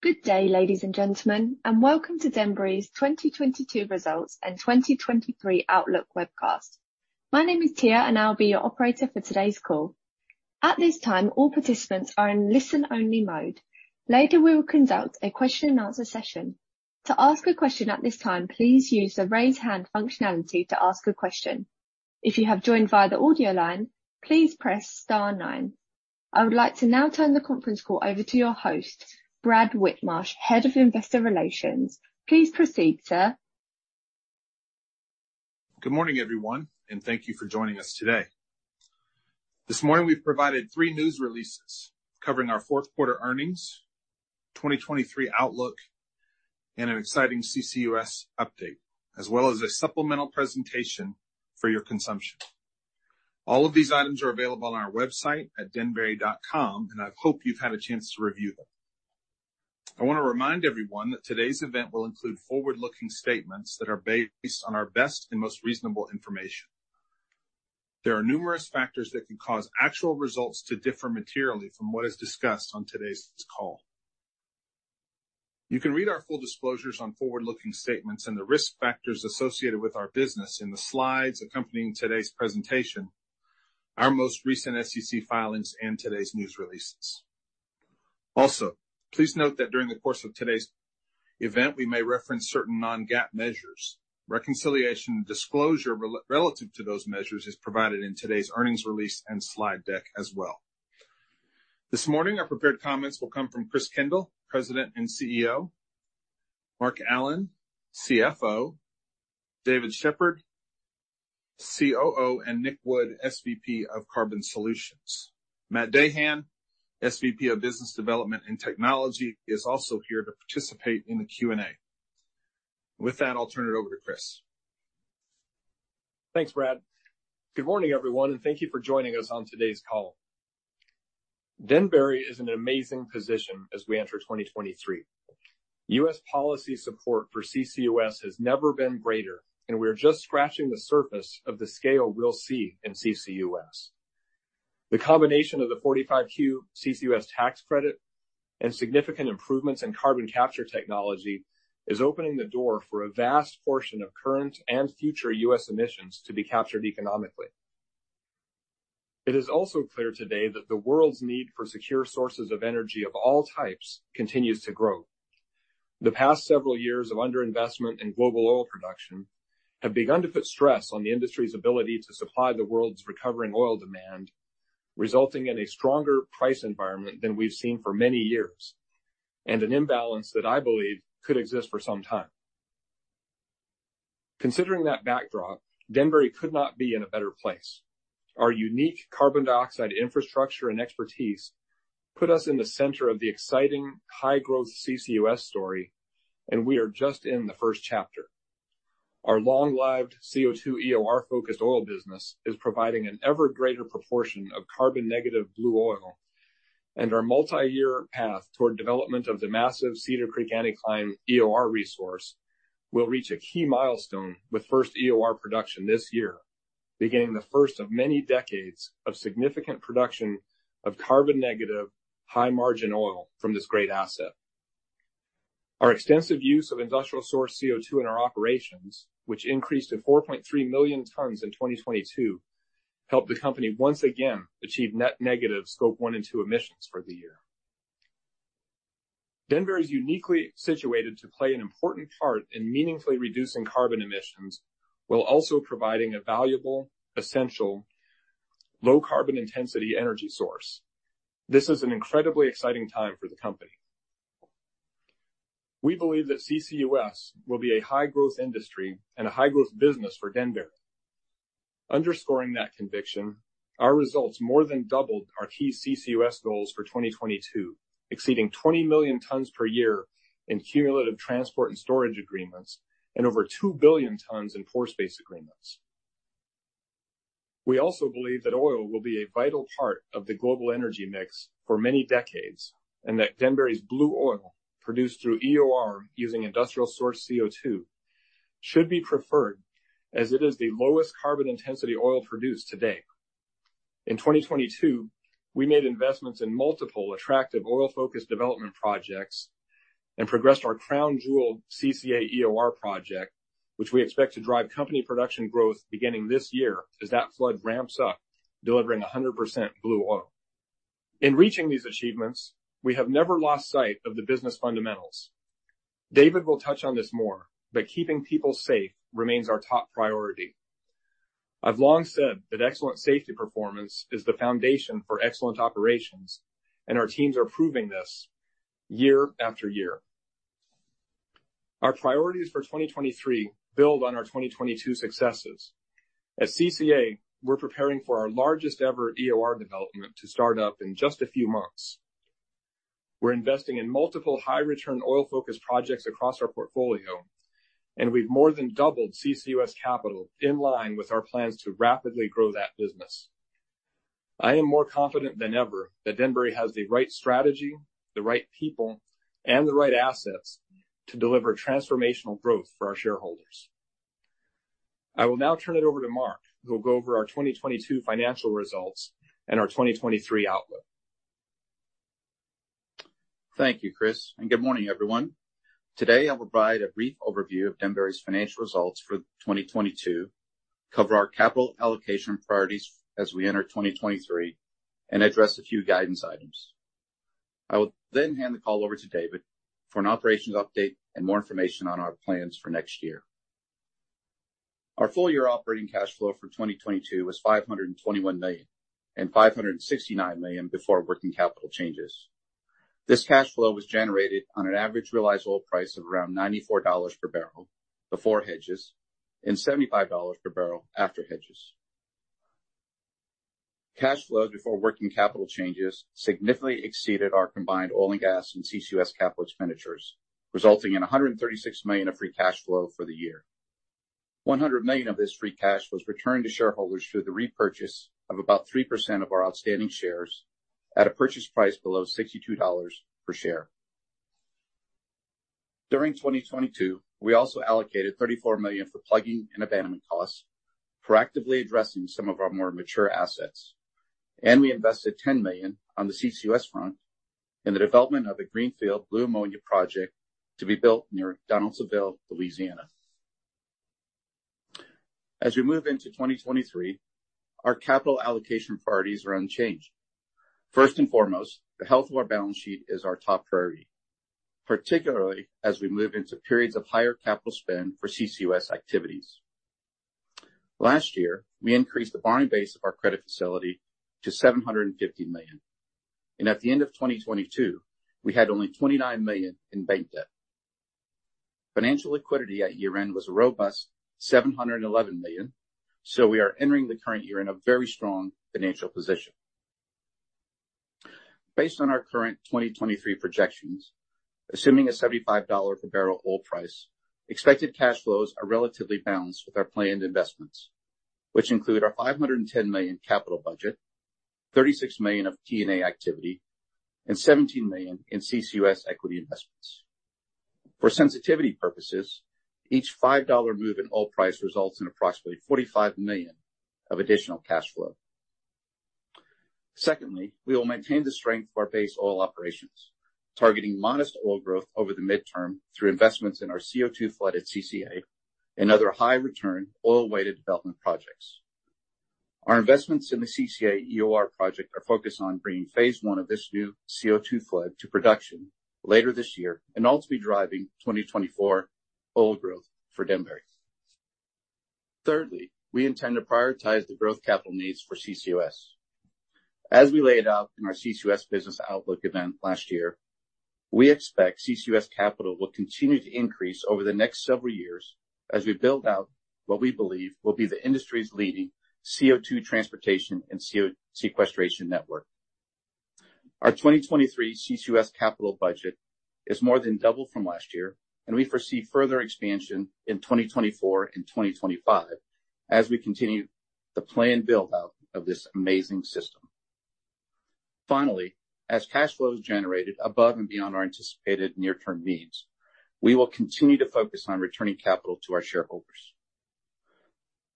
Good day, ladies and gentlemen, welcome to Denbury's 2022 results and 2023 outlook webcast. My name is Tia, I'll be your operator for today's call. At this time, all participants are in listen-only mode. Later, we will conduct a question and answer session. To ask a question at this time, please use the raise hand functionality to ask a question. If you have joined via the audio line, please press star nine. I would like to now turn the conference call over to your host, Brad Whitmarsh, Head of Investor Relations. Please proceed, sir. Good morning, everyone, and thank you for joining us today. This morning we've provided three news releases covering our fourth quarter earnings, 2023 outlook, and an exciting CCUS update, as well as a supplemental presentation for your consumption. All of these items are available on our website at denbury.com, and I hope you've had a chance to review them. I want to remind everyone that today's event will include forward-looking statements that are based on our best and most reasonable information. There are numerous factors that can cause actual results to differ materially from what is discussed on today's call. You can read our full disclosures on forward-looking statements and the risk factors associated with our business in the slides accompanying today's presentation, our most recent SEC filings, and today's news releases. Please note that during the course of today's event, we may reference certain non-GAAP measures. Reconciliation disclosure relative to those measures is provided in today's earnings release and slide deck as well. This morning, our prepared comments will come from Chris Kendall, President and CEO, Mark Allen, CFO, David Sheppard, COO, and Nik Wood, SVP of Carbon Solutions. Matt Dahan, SVP of Business Development and Technology, is also here to participate in the Q&A. With that, I'll turn it over to Chris. Thanks, Brad. Good morning, everyone, and thank you for joining us on today's call. Denbury is in an amazing position as we enter 2023. U.S. policy support for CCUS has never been greater, and we are just scratching the surface of the scale we'll see in CCUS. The combination of the 45Q CCUS tax credit and significant improvements in carbon capture technology is opening the door for a vast portion of current and future U.S. emissions to be captured economically. It is also clear today that the world's need for secure sources of energy of all types continues to grow. The past several years of under-investment in global oil production have begun to put stress on the industry's ability to supply the world's recovering oil demand, resulting in a stronger price environment than we've seen for many years, and an imbalance that I believe could exist for some time. Considering that backdrop, Denbury could not be in a better place. Our unique carbon dioxide infrastructure and expertise put us in the center of the exciting high-growth CCUS story, and we are just in the first chapter. Our long-lived CO₂ EOR-focused oil business is providing an ever greater proportion of carbon negative Blue Oil. Our multi-year path toward development of the massive Cedar Creek Anticline EOR resource will reach a key milestone with first EOR production this year, beginning the first of many decades of significant production of carbon negative, high-margin oil from this great asset. Our extensive use of industrial source CO₂ in our operations, which increased to 4.3 million tons in 2022, helped the company once again achieve net negative Scope 1 and Scope 2 emissions for the year. Denbury is uniquely situated to play an important part in meaningfully reducing carbon emissions while also providing a valuable, essential low carbon intensity energy source. This is an incredibly exciting time for the company. We believe that CCUS will be a high-growth industry and a high-growth business for Denbury. Underscoring that conviction, our results more than doubled our key CCUS goals for 2022, exceeding 20 million tons per year in cumulative transport and storage agreements and over 2 billion tons in pore space agreements. We also believe that oil will be a vital part of the global energy mix for many decades. Denbury's Blue Oil, produced through EOR using industrial source CO₂, should be preferred as it is the lowest carbon intensity oil produced today. In 2022, we made investments in multiple attractive oil-focused development projects and progressed our crown jewel CCA EOR project, which we expect to drive company production growth beginning this year as that flood ramps up, delivering 100% Blue Oil. In reaching these achievements, we have never lost sight of the business fundamentals. David will touch on this more, but keeping people safe remains our top priority. I've long said that excellent safety performance is the foundation for excellent operations, and our teams are proving this year-after-year. Our priorities for 2023 build on our 2022 successes. At CCA, we're preparing for our largest ever EOR development to start up in just a few months. We're investing in multiple high return oil-focused projects across our portfolio, and we've more than doubled CCUS capital in line with our plans to rapidly grow that business. I am more confident than ever that Denbury has the right strategy, the right people, and the right assets to deliver transformational growth for our shareholders. I will now turn it over to Mark, who will go over our 2022 financial results and our 2023 outlook. Thank you, Chris. Good morning, everyone. Today, I'll provide a brief overview of Denbury's financial results for 2022, cover our capital allocation priorities as we enter 2023, and address a few guidance items. I will hand the call over to David for an operations update and more information on our plans for next year. Our full year operating cash flow for 2022 was $521 million and $569 million before working capital changes. This cash flow was generated on an average realizable price of around $94 per barrel before hedges and $75 per barrel after hedges. Cash flows before working capital changes significantly exceeded our combined oil and gas and CCUS CapEx, resulting in $136 million of free cash flow for the year. $100 million of this free cash was returned to shareholders through the repurchase of about 3% of our outstanding shares at a purchase price below $62 per share. During 2022, we also allocated $34 million for plugging and abandonment costs, proactively addressing some of our more mature assets. We invested $10 million on the CCUS front in the development of a greenfield blue ammonia project to be built near Donaldsonville, Louisiana. As we move into 2023, our capital allocation priorities are unchanged. First and foremost, the health of our balance sheet is our top priority, particularly as we move into periods of higher capital spend for CCUS activities. Last year, we increased the borrowing base of our credit facility to $750 million, and at the end of 2022, we had only $29 million in bank debt. Financial liquidity at year-end was a robust $711 million. We are entering the current year in a very strong financial position. Based on our current 2023 projections, assuming a $75 per barrel oil price, expected cash flows are relatively balanced with our planned investments, which include our $510 million capital budget, $36 million of P&A activity, and $17 million in CCUS equity investments. For sensitivity purposes, each $5 move in oil price results in approximately $45 million of additional cash flow. Secondly, we will maintain the strength of our base oil operations, targeting modest oil growth over the midterm through investments in our CO₂ flooded CCA and other high return oil-weighted development projects. Our investments in the CCA EOR project are focused on bringing Phase 1 of this new CO₂ flood to production later this year and ultimately driving 2024 oil growth for Denbury. Thirdly, we intend to prioritize the growth capital needs for CCUS. As we laid out in our CCUS business outlook event last year, we expect CCUS capital will continue to increase over the next several years as we build out what we believe will be the industry's leading CO₂ transportation and CO₂ sequestration network. Our 2023 CCUS capital budget is more than double from last year, and we foresee further expansion in 2024 and 2025 as we continue the planned build-out of this amazing system. As cash flow is generated above and beyond our anticipated near-term needs, we will continue to focus on returning capital to our shareholders.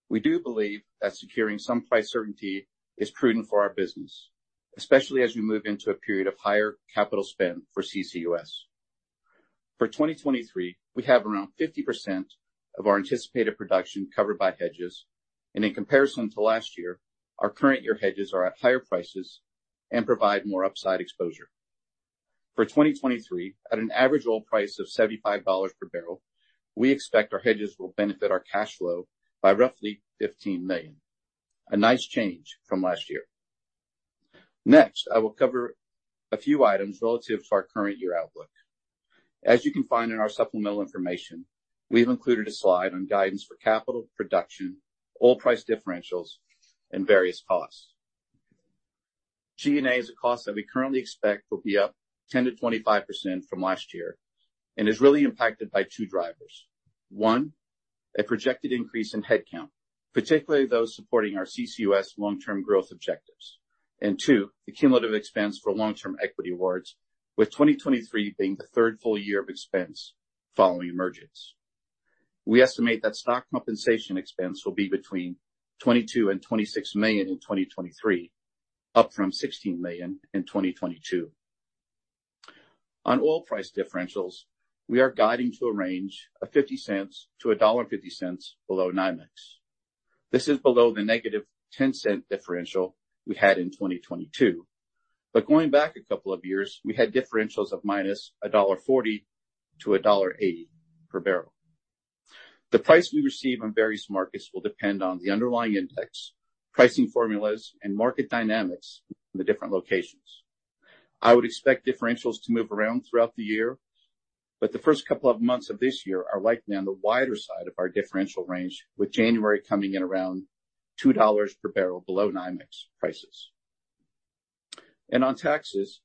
We do believe that securing some price certainty is prudent for our business, especially as we move into a period of higher capital spend for CCUS. For 2023, we have around 50% of our anticipated production covered by hedges, and in comparison to last year, our current year hedges are at higher prices and provide more upside exposure. For 2023, at an average oil price of $75 per barrel, we expect our hedges will benefit our cash flow by roughly $15 million, a nice change from last year. Next, I will cover a few items relative to our current year outlook. As you can find in our supplemental information, we've included a slide on guidance for capital production, oil price differentials, and various costs. G&A is a cost that we currently expect will be up 10%-25% from last year and is really impacted by two drivers. One, a projected increase in headcount, particularly those supporting our CCUS long-term growth objectives. Two, the cumulative expense for long-term equity awards, with 2023 being the third full year of expense following emergence. We estimate that stock compensation expense will be between $22 million and $26 million in 2023, up from $16 million in 2022. On oil price differentials, we are guiding to a range of $0.50-$1.50 below NYMEX. This is below the -$0.10 differential we had in 2022. Going back a couple of years, we had differentials of -$1.40 to $1.80 per barrel. The price we receive on various markets will depend on the underlying index, pricing formulas, and market dynamics in the different locations. I would expect differentials to move around throughout the year, but the first couple of months of this year are likely on the wider side of our differential range, with January coming in around $2 per barrel below NYMEX prices. On taxes,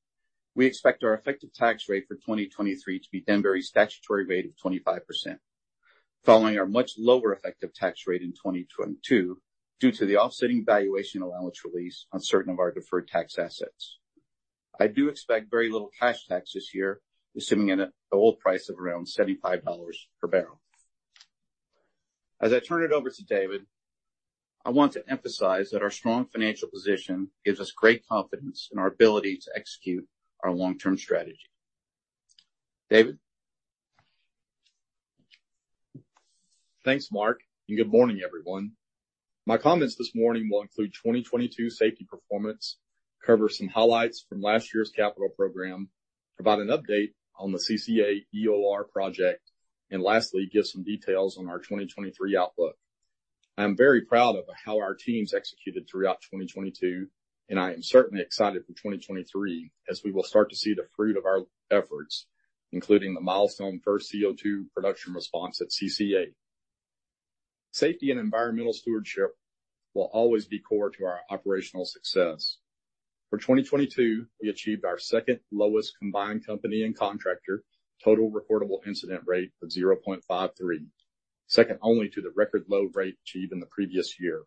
we expect our effective tax rate for 2023 to be Denbury's statutory rate of 25%, following our much lower effective tax rate in 2022 due to the offsetting valuation allowance release on certain of our deferred tax assets. I do expect very little cash tax this year, assuming an oil price of around $75 per barrel. As I turn it over to David, I want to emphasize that our strong financial position gives us great confidence in our ability to execute our long-term strategy. David? Thanks, Mark. Good morning, everyone. My comments this morning will include 2022 safety performance, cover some highlights from last year's capital program, provide an update on the CCA EOR project, and lastly, give some details on our 2023 outlook. I am very proud of how our teams executed throughout 2022. I am certainly excited for 2023 as we will start to see the fruit of our efforts, including the milestone first CO₂ production response at CCA. Safety and environmental stewardship will always be core to our operational success. For 2022, we achieved our second lowest combined company and contractor total reportable incident rate of 0.53, second only to the record-low rate achieved in the previous year.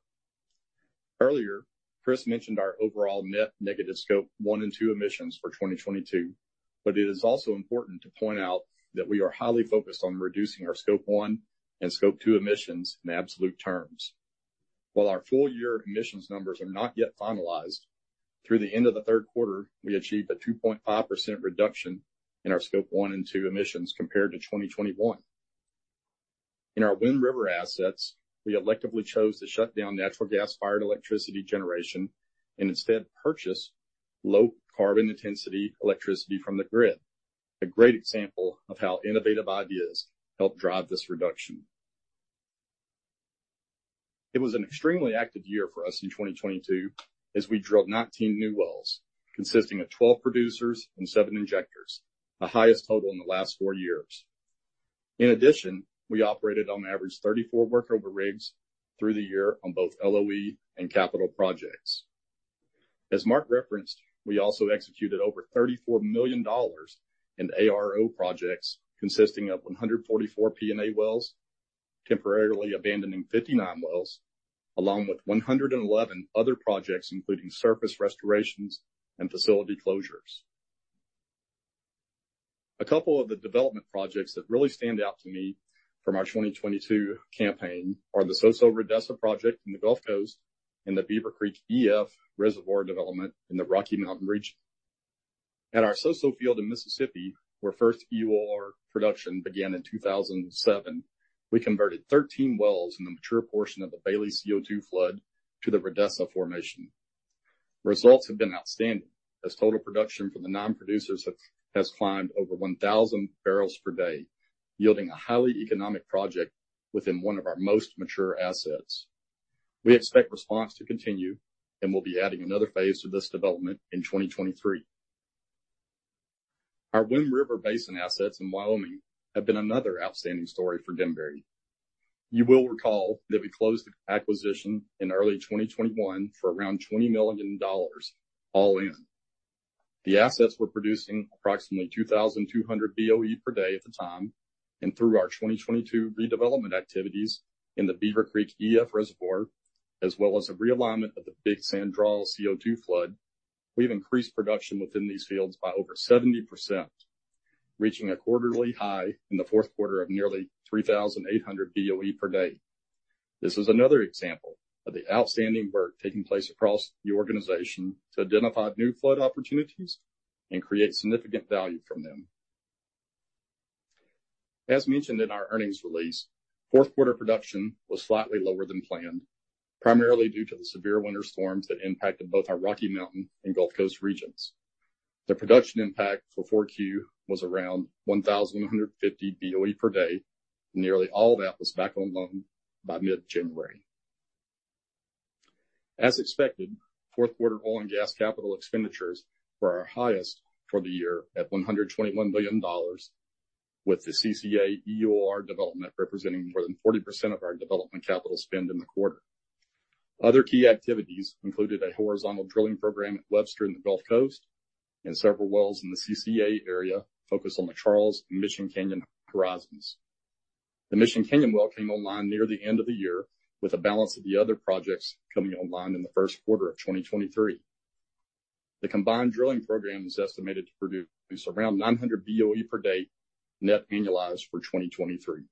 Earlier, Chris mentioned our overall net negative Scope 1 and Scope 2 emissions for 2022, it is also important to point out that we are highly focused on reducing our Scope 1 and Scope 2 emissions in absolute terms. While our full year emissions numbers are not yet finalized, through the end of the third quarter, we achieved a 2.5% reduction in our Scope 1 and Scope 2 emissions compared to 2021. In our Wind River assets, we electively chose to shut down natural gas-fired electricity generation and instead purchase low carbon intensity electricity from the grid. A great example of how innovative ideas help drive this reduction. It was an extremely active year for us in 2022 as we drilled 19 new wells, consisting of 12 producers and seven injectors, the highest total in the last four years. In addition, we operated on average 34 workover rigs through the year on both LOE and capital projects. As Mark referenced, we also executed over $34 million in ARO projects consisting of 144 P&A wells, temporarily abandoning 59 wells, along with 111 other projects, including surface restorations and facility closures. A couple of the development projects that really stand out to me from our 2022 campaign are the Soso Rodessa project in the Gulf Coast and the Beaver Creek E/F Reservoir development in the Rocky Mountain region. At our Soso field in Mississippi, where first EOR production began in 2007, we converted 13 wells in the mature portion of the Bailey CO₂ flood to the Rodessa formation. Results have been outstanding, as total production from the non-producers has climbed over 1,000 barrels per day, yielding a highly economic project within one of our most mature assets. We expect response to continue, and we'll be adding another phase to this development in 2023. Our Wind River Basin assets in Wyoming have been another outstanding story for Denbury. You will recall that we closed the acquisition in early 2021 for around $20 million all-in. The assets were producing approximately 2,200 BOE per day at the time, and through our 2022 redevelopment activities in the Beaver Creek E/F Reservoir, as well as a realignment of the Big Sand Draw CO₂ flood, we've increased production within these fields by over 70%, reaching a quarterly high in the fourth quarter of nearly 3,800 BOE per day. This is another example of the outstanding work taking place across the organization to identify new flood opportunities and create significant value from them. As mentioned in our earnings release, fourth quarter production was slightly lower than planned, primarily due to the severe winter storms that impacted both our Rocky Mountain and Gulf Coast regions. The production impact for 4Q was around 1,150 BOE per day. Nearly all of that was back online by mid-January. As expected, fourth quarter oil and gas capital expenditures were our highest for the year at $121 billion, with the CCA EOR development representing more than 40% of our development capital spend in the quarter. Other key activities included a horizontal drilling program at Webster in the Gulf Coast and several wells in the CCA area focused on the Charles and Mission Canyon horizons. The Mission Canyon well came online near the end of the year, with the balance of the other projects coming online in the first quarter of 2023. The combined drilling program is estimated to produce around 900 BOE per day, net annualized for 2023.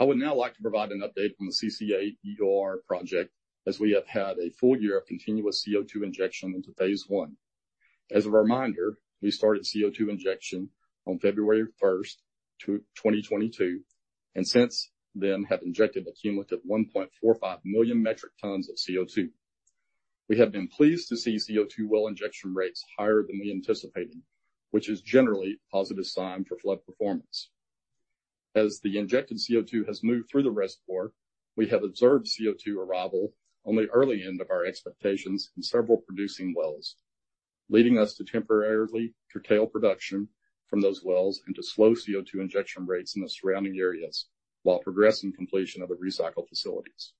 I would now like to provide an update on the CCA EOR project, as we have had a full year of continuous CO₂ injection into Phase 1. As a reminder, we started CO₂ injection on February 1st, 2022, and since then have injected a cumulative 1.45 million metric tons of CO₂. We have been pleased to see CO₂ well injection rates higher than we anticipated, which is generally a positive sign for flood performance. As the injected CO₂ has moved through the reservoir, we have observed CO₂ arrival on the early end of our expectations in several producing wells, leading us to temporarily curtail production from those wells and to slow CO₂ injection rates in the surrounding areas while progressing completion of the recycle facilities.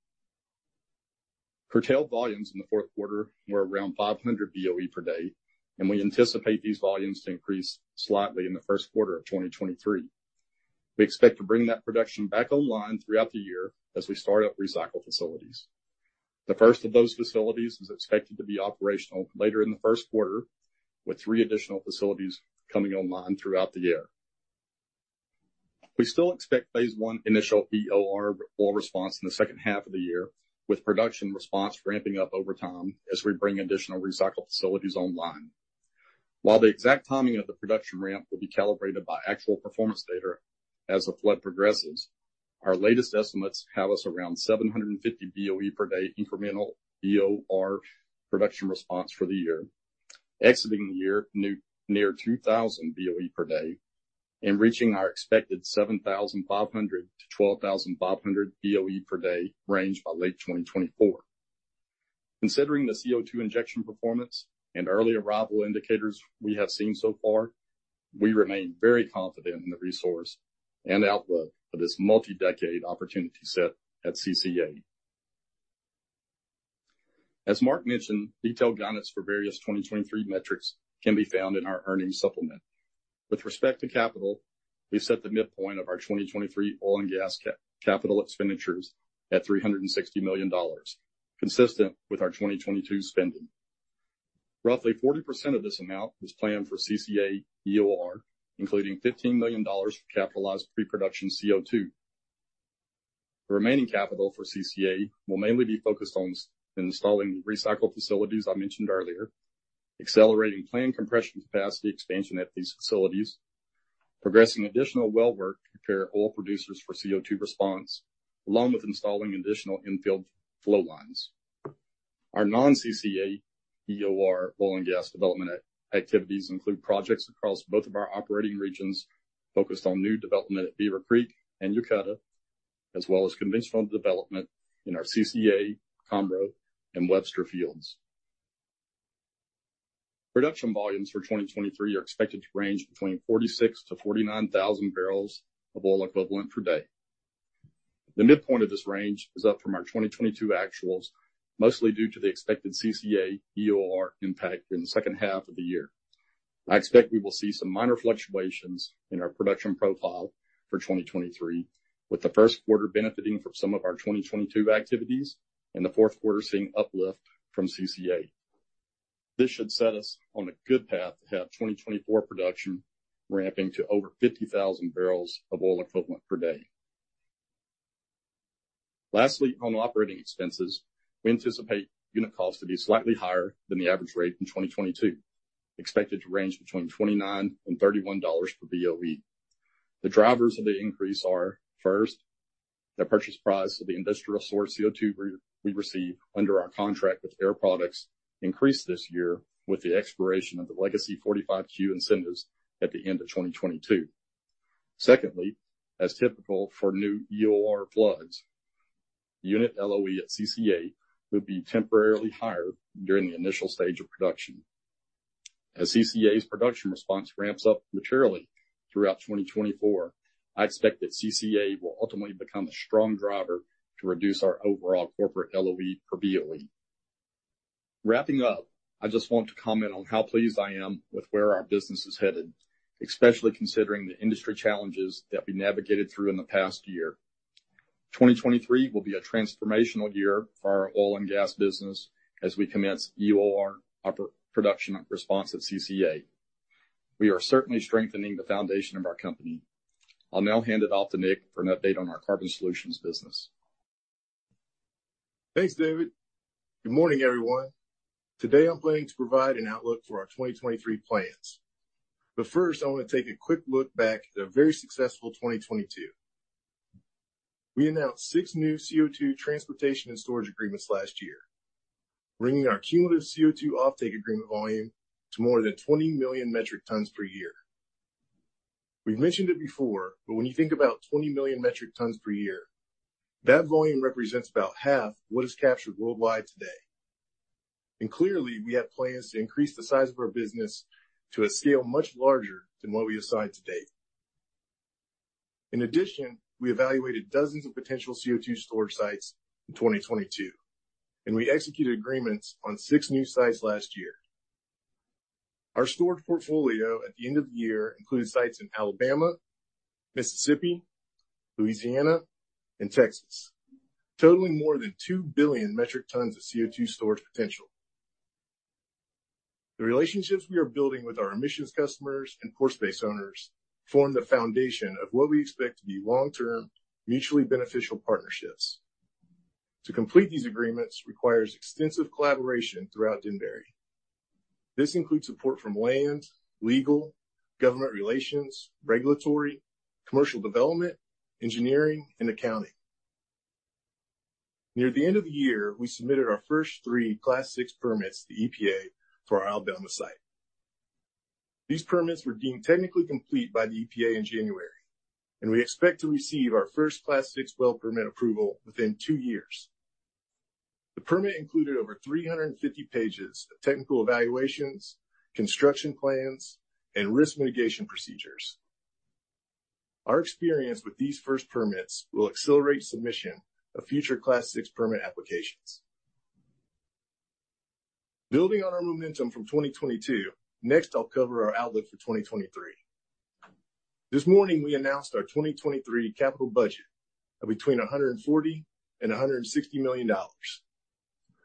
Curtailed volumes in the fourth quarter were around 500 BOE per day. We anticipate these volumes to increase slightly in the first quarter of 2023. We expect to bring that production back online throughout the year as we start up recycle facilities. The first of those facilities is expected to be operational later in the first quarter, with three additional facilities coming online throughout the year. We still expect Phase 1 initial EOR oil response in the second half of the year, with production response ramping up over time as we bring additional recycle facilities online. While the exact timing of the production ramp will be calibrated by actual performance data as the flood progresses, our latest estimates have us around 750 BOE per day incremental EOR production response for the year, exiting the year near 2,000 BOE per day and reaching our expected 7,500-12,500 BOE per day range by late 2024. Considering the CO₂ injection performance and early arrival indicators we have seen so far, we remain very confident in the resource and outlook for this multi-decade opportunity set at CCA. As Mark mentioned, detailed guidance for various 2023 metrics can be found in our earnings supplement. With respect to capital, we've set the midpoint of our 2023 oil and gas capital expenditures at $360 million, consistent with our 2022 spending. Roughly 40% of this amount is planned for CCA EOR, including $15 million for capitalized pre-production CO₂. The remaining capital for CCA will mainly be focused on installing the recycle facilities I mentioned earlier, accelerating planned compression capacity expansion at these facilities, progressing additional well work to prepare oil producers for CO₂ response, along with installing additional in-field flow lines. Our non-CCA EOR oil and gas development activities include projects across both of our operating regions, focused on new development at Beaver Creek and Eucutta, as well as conventional development in our CCA, Conroe, and Webster fields. Production volumes for 2023 are expected to range between 46,000-49,000 BOE per day. The midpoint of this range is up from our 2022 actuals, mostly due to the expected CCA EOR impact in the second half of the year. I expect we will see some minor fluctuations in our production profile for 2023, with the first quarter benefiting from some of our 2022 activities and the fourth quarter seeing uplift from CCA. This should set us on a good path to have 2024 production ramping to over 50,000 BOE per day. Lastly, on OpEx, we anticipate unit cost to be slightly higher than the average rate in 2022, expected to range between $29 and $31 per BOE. The drivers of the increase are, first, the purchase price of the industrial source CO₂ we receive under our contract with Air Products increased this year with the expiration of the legacy 45Q incentives at the end of 2022. As typical for new EOR floods, unit LOE at CCA would be temporarily higher during the initial stage of production. As CCA's production response ramps up materially throughout 2024, I expect that CCA will ultimately become a strong driver to reduce our overall corporate LOE per BOE. I just want to comment on how pleased I am with where our business is headed, especially considering the industry challenges that we navigated through in the past year. 2023 will be a transformational year for our oil and gas business as we commence EOR production response at CCA. We are certainly strengthening the foundation of our company. I'll now hand it off to Nik for an update on our carbon solutions business. Thanks, David. Good morning, everyone. Today, I'm planning to provide an outlook for our 2023 plans. First, I want to take a quick look back at a very successful 2022. We announced six new CO₂ transportation and storage agreements last year, bringing our cumulative CO₂ offtake agreement volume to more than 20 million metric tons per year. We've mentioned it before, but when you think about 20 million metric tons per year, that volume represents about half what is captured worldwide today. Clearly, we have plans to increase the size of our business to a scale much larger than what we assigned to date. In addition, we evaluated dozens of potential CO₂ storage sites in 2022, and we executed agreements on six new sites last year. Our storage portfolio at the end of the year included sites in Alabama, Mississippi, Louisiana, and Texas, totaling more than 2 billion metric tons of CO₂ storage potential. The relationships we are building with our emissions customers and pore space owners form the foundation of what we expect to be long-term, mutually beneficial partnerships. To complete these agreements requires extensive collaboration throughout Denbury. This includes support from land, legal, government relations, regulatory, commercial development, engineering, and accounting. Near the end of the year, we submitted our first three Class VI permits to EPA for our Alabama site. These permits were deemed technically complete by the EPA in January. We expect to receive our first Class VI well permit approval within two years. The permit included over 350 pages of technical evaluations, construction plans, and risk mitigation procedures. Our experience with these first permits will accelerate submission of future Class VI permit applications. Building on our momentum from 2022, next, I'll cover our outlook for 2023. This morning, we announced our 2023 capital budget of between $140 million and $160 million,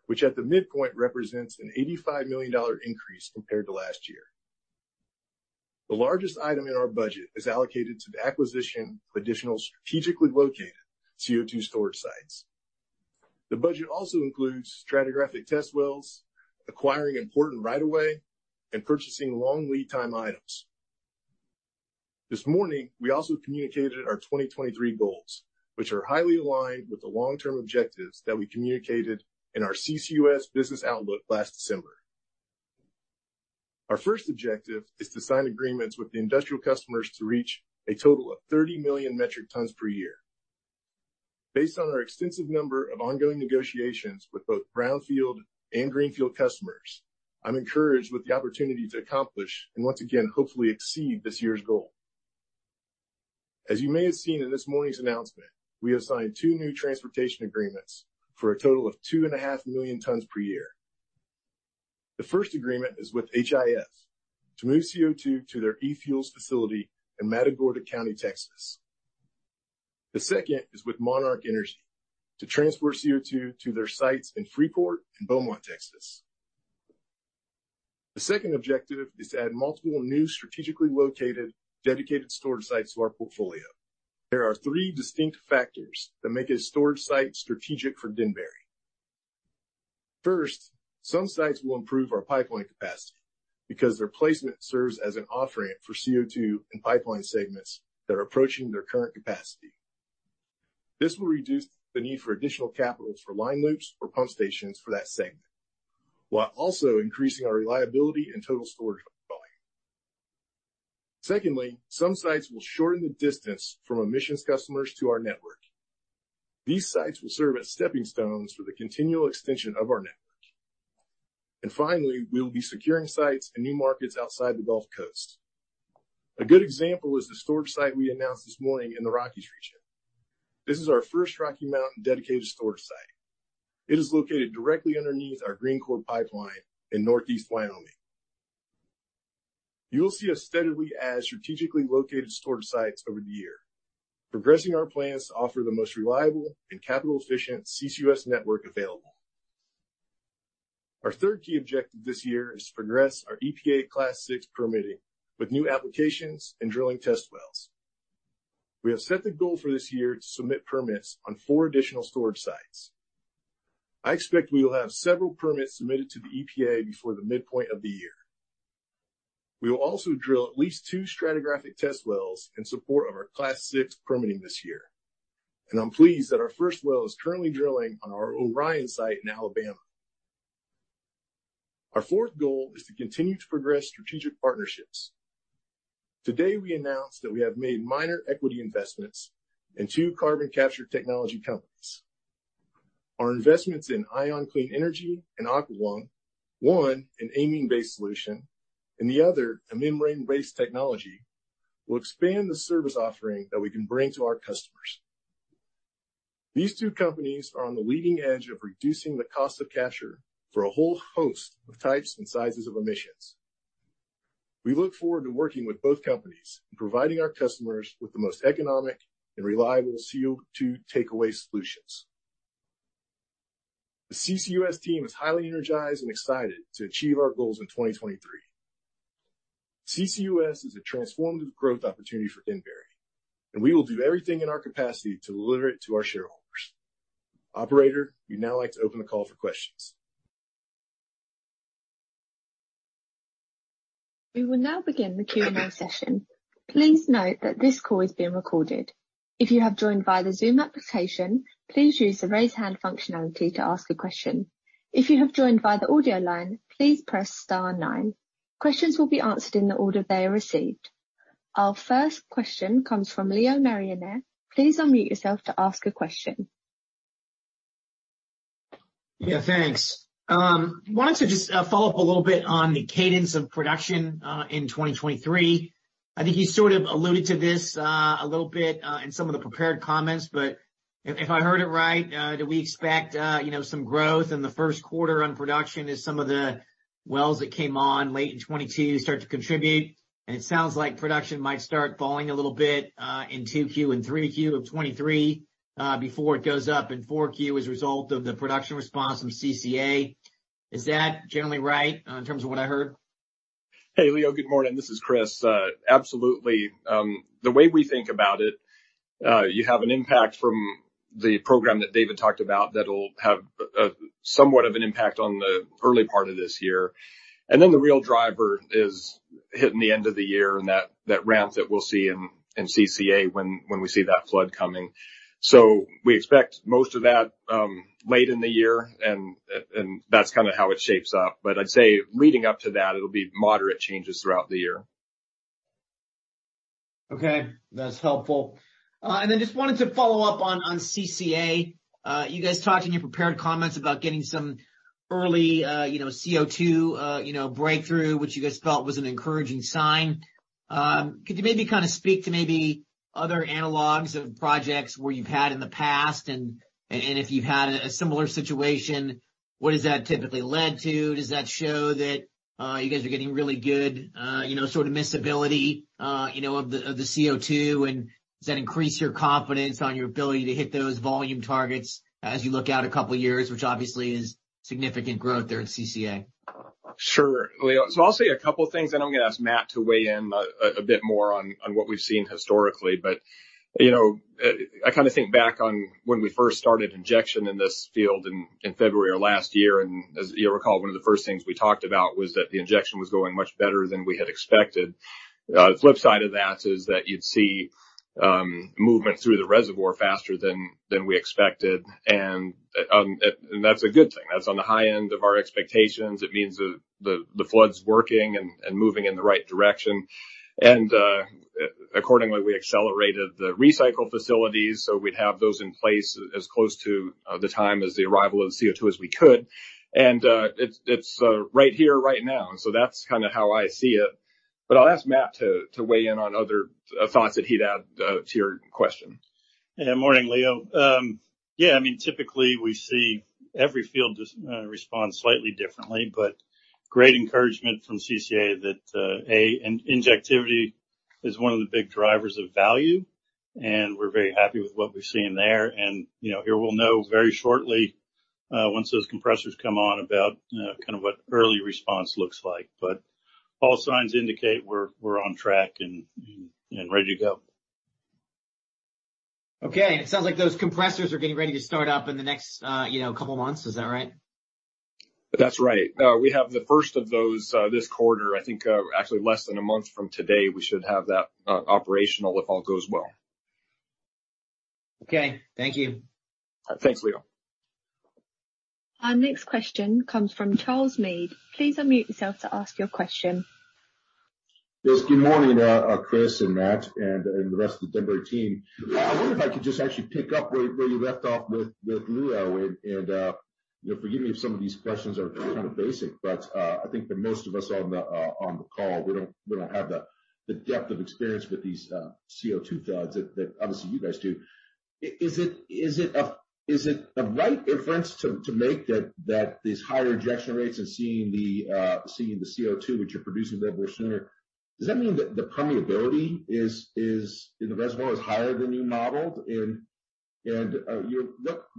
which at the midpoint represents an $85 million increase compared to last year. The largest item in our budget is allocated to the acquisition of additional strategically located CO₂ storage sites. The budget also includes stratigraphic test wells, acquiring important right-of-way, and purchasing long lead time items. This morning, we also communicated our 2023 goals, which are highly aligned with the long-term objectives that we communicated in our CCUS business outlook last December. Our first objective is to sign agreements with the industrial customers to reach a total of 30 million metric tons per year. Based on our extensive number of ongoing negotiations with both brownfield and greenfield customers, I'm encouraged with the opportunity to accomplish and once again, hopefully exceed this year's goal. As you may have seen in this morning's announcement, we have signed two new transportation agreements for a total of 2.5 million tons per year. The first agreement is with HIF to move CO₂ to their eFuels facility in Matagorda County, Texas. The second is with Monarch Energy to transport CO₂ to their sites in Freeport and Beaumont, Texas. The second objective is to add multiple new strategically located dedicated storage sites to our portfolio. There are three distinct factors that make a storage site strategic for Denbury. First, some sites will improve our pipeline capacity because their placement serves as an off-ramp for CO₂ and pipeline segments that are approaching their current capacity. This will reduce the need for additional CapEx for line loops or pump stations for that segment, while also increasing our reliability and total storage volume. Secondly, some sites will shorten the distance from emissions customers to our network. These sites will serve as stepping stones for the continual extension of our network. Finally, we'll be securing sites and new markets outside the Gulf Coast. A good example is the storage site we announced this morning in the Rockies region. This is our first Rocky Mountain dedicated storage site. It is located directly underneath our Green Core Pipeline in northeast Wyoming. You will see us steadily add strategically located storage sites over the year, progressing our plans to offer the most reliable and capital-efficient CCUS network available. Our third key objective this year is to progress our EPA Class VI permitting with new applications and drilling test wells. We have set the goal for this year to submit permits on four additional storage sites. I expect we will have several permits submitted to the EPA before the midpoint of the year. We will also drill at least two stratigraphic test wells in support of our Class VI permitting this year, and I'm pleased that our first well is currently drilling on our Orion site in Alabama. Our fourth goal is to continue to progress strategic partnerships. Today, we announced that we have made minor equity investments in two carbon capture technology companies. Our investments in ION Clean Energy and Aqualung, one, an amine-based solution, and the other a membrane-based technology, will expand the service offering that we can bring to our customers. These two companies are on the leading edge of reducing the cost of capture for a whole host of types and sizes of emissions. We look forward to working with both companies and providing our customers with the most economic and reliable CO₂ takeaway solutions. The CCUS team is highly energized and excited to achieve our goals in 2023. CCUS is a transformative growth opportunity for Denbury. We will do everything in our capacity to deliver it to our shareholders. Operator, we'd now like to open the call for questions. We will now begin the Q&A session. Please note that this call is being recorded. If you have joined via the Zoom application, please use the raise hand functionality to ask a question. If you have joined via the audio line, please press star nine. Questions will be answered in the order they are received. Our first question comes from Leo Mariani. Please unmute yourself to ask a question. Yeah, thanks. Wanted to just follow up a little bit on the cadence of production in 2023. I think you sort of alluded to this a little bit in some of the prepared comments, but if I heard it right, do we expect, you know, some growth in the first quarter on production as some of the wells that came on late in 2022 start to contribute? It sounds like production might start falling a little bit in 2Q and 3Q of 2023 before it goes up in 4Q as a result of the production response from CCA. Is that generally right in terms of what I heard? Hey, Leo, good morning. This is Chris. Absolutely. The way we think about it, you have an impact from the program that David talked about that'll have somewhat of an impact on the early part of this year. The real driver is hitting the end of the year and that ramp that we'll see in CCA when we see that flood coming. We expect most of that late in the year and that's kind of how it shapes up. I'd say leading up to that, it'll be moderate changes throughout the year. Okay, that's helpful. Just wanted to follow up on CCA. You guys talked in your prepared comments about getting some early, you know, CO₂, you know, breakthrough, which you guys felt was an encouraging sign. Could you maybe kind of speak to maybe other analogs of projects where you've had in the past and if you've had a similar situation, what does that typically lead to? Does that show that you guys are getting really good, you know, sort of miscibility, you know, of the CO₂? Does that increase your confidence on your ability to hit those volume targets as you look out a couple of years, which obviously is significant growth there at CCA? Sure, Leo. I'll say a couple things, and I'm gonna ask Matt to weigh in a bit more on what we've seen historically. You know, I kinda think back on when we first started injection in this field in February of last year. As you'll recall, one of the first things we talked about was that the injection was going much better than we had expected. The flip side of that is that you'd see movement through the reservoir faster than we expected. That's a good thing. That's on the high end of our expectations. It means that the flood's working and moving in the right direction. Accordingly, we accelerated the recycle facilities, so we'd have those in place as close to the time as the arrival of CO₂ as we could. It's right here right now. That's kinda how I see it. I'll ask Matt to weigh in on other thoughts that he'd add to your question. Yeah. Morning, Leo. Yeah, I mean, typically we see every field just respond slightly differently, but great encouragement from CCA that, A, an injectivity is one of the big drivers of value, and we're very happy with what we're seeing there. You know, here we'll know very shortly once those compressors come on about kind of what early response looks like. All signs indicate we're on track and ready to go. Okay. It sounds like those compressors are getting ready to start up in the next, you know, couple months. Is that right? That's right. We have the first of those this quarter. I think actually less than a month from today, we should have that operational, if all goes well. Okay. Thank you. Thanks, Leo. Our next question comes from Charles Meade. Please unmute yourself to ask your question. Yes, good morning, Chris and Matt and the rest of the Denbury team. I wonder if I could just actually pick up where you left off with Leo and, you know, forgive me if some of these questions are kind of basic, but I think that most of us on the call, we don't have the depth of experience with these CO₂ floods that obviously you guys do. Is it a right inference to make that these higher injection rates and seeing the CO₂, which you're producing a little bit sooner, does that mean that the permeability is in the reservoir is higher than you modeled and your...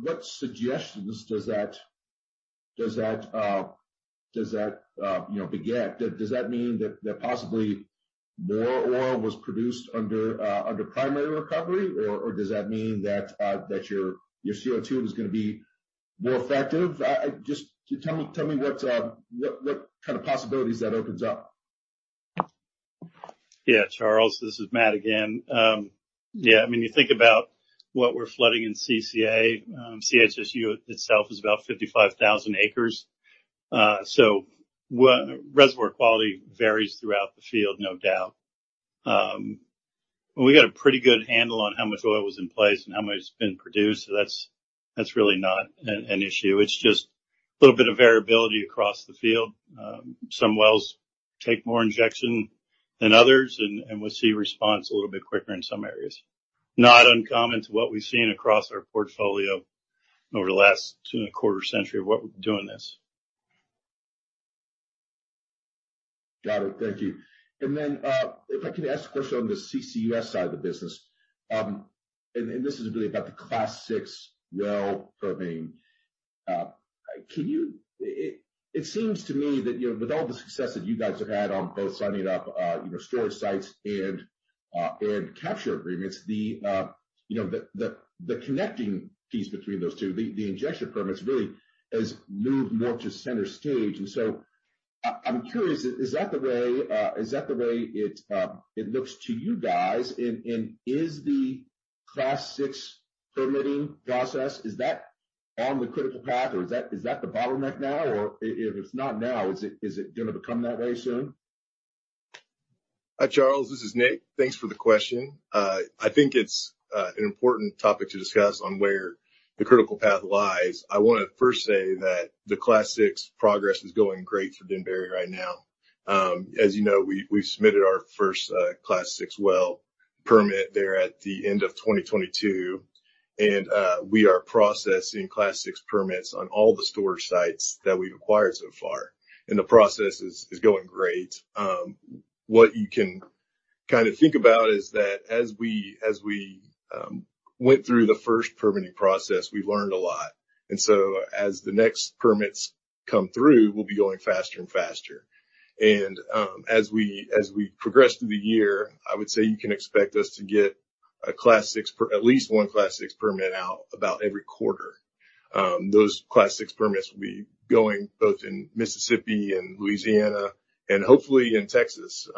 What suggestions does that, you know, beget? Does that mean that possibly more oil was produced under primary recovery or does that mean that your CO₂ is gonna be more effective? Just can you tell me what kind of possibilities that opens up? Charles, this is Matt again. I mean, you think about what we're flooding in CCA. CHSU itself is about 55,000 acres. Reservoir quality varies throughout the field, no doubt. We got a pretty good handle on how much oil was in place and how much has been produced. That's, that's really not an issue. It's just a little bit of variability across the field. Some wells take more injection than others and we'll see response a little bit quicker in some areas. Not uncommon to what we've seen across our portfolio over the last two and a quarter century of what we've been doing this. Got it. Thank you. Then, if I could ask a question on the CCUS side of the business, and this is really about the Class VI well permitting. Can you... It seems to me that, you know, with all the success that you guys have had on both signing up, you know, storage sites and capture agreements, the, you know, the connecting piece between those two, the injection permits really has moved more to center stage. So I'm curious, is that the way it looks to you guys? Is the Class VI permitting process, is that on the critical path, or is that the bottleneck now? Or if it's not now, is it gonna become that way soon? Charles, this is Nik. Thanks for the question. I think it's an important topic to discuss on where the critical path lies. I wanna first say that the Class VI progress is going great for Denbury right now. As you know, we submitted our first Class VI well permit there at the end of 2022, we are processing Class VI permits on all the storage sites that we've acquired so far. The process is going great. What you can kind of think about is that as we went through the first permitting process, we learned a lot. As the next permits come through, we'll be going faster and faster. As we progress through the year, I would say you can expect us to get at least one Class VI permit out about every quarter. Those Class VI permits will be going both in Mississippi and Louisiana, and hopefully in Texas,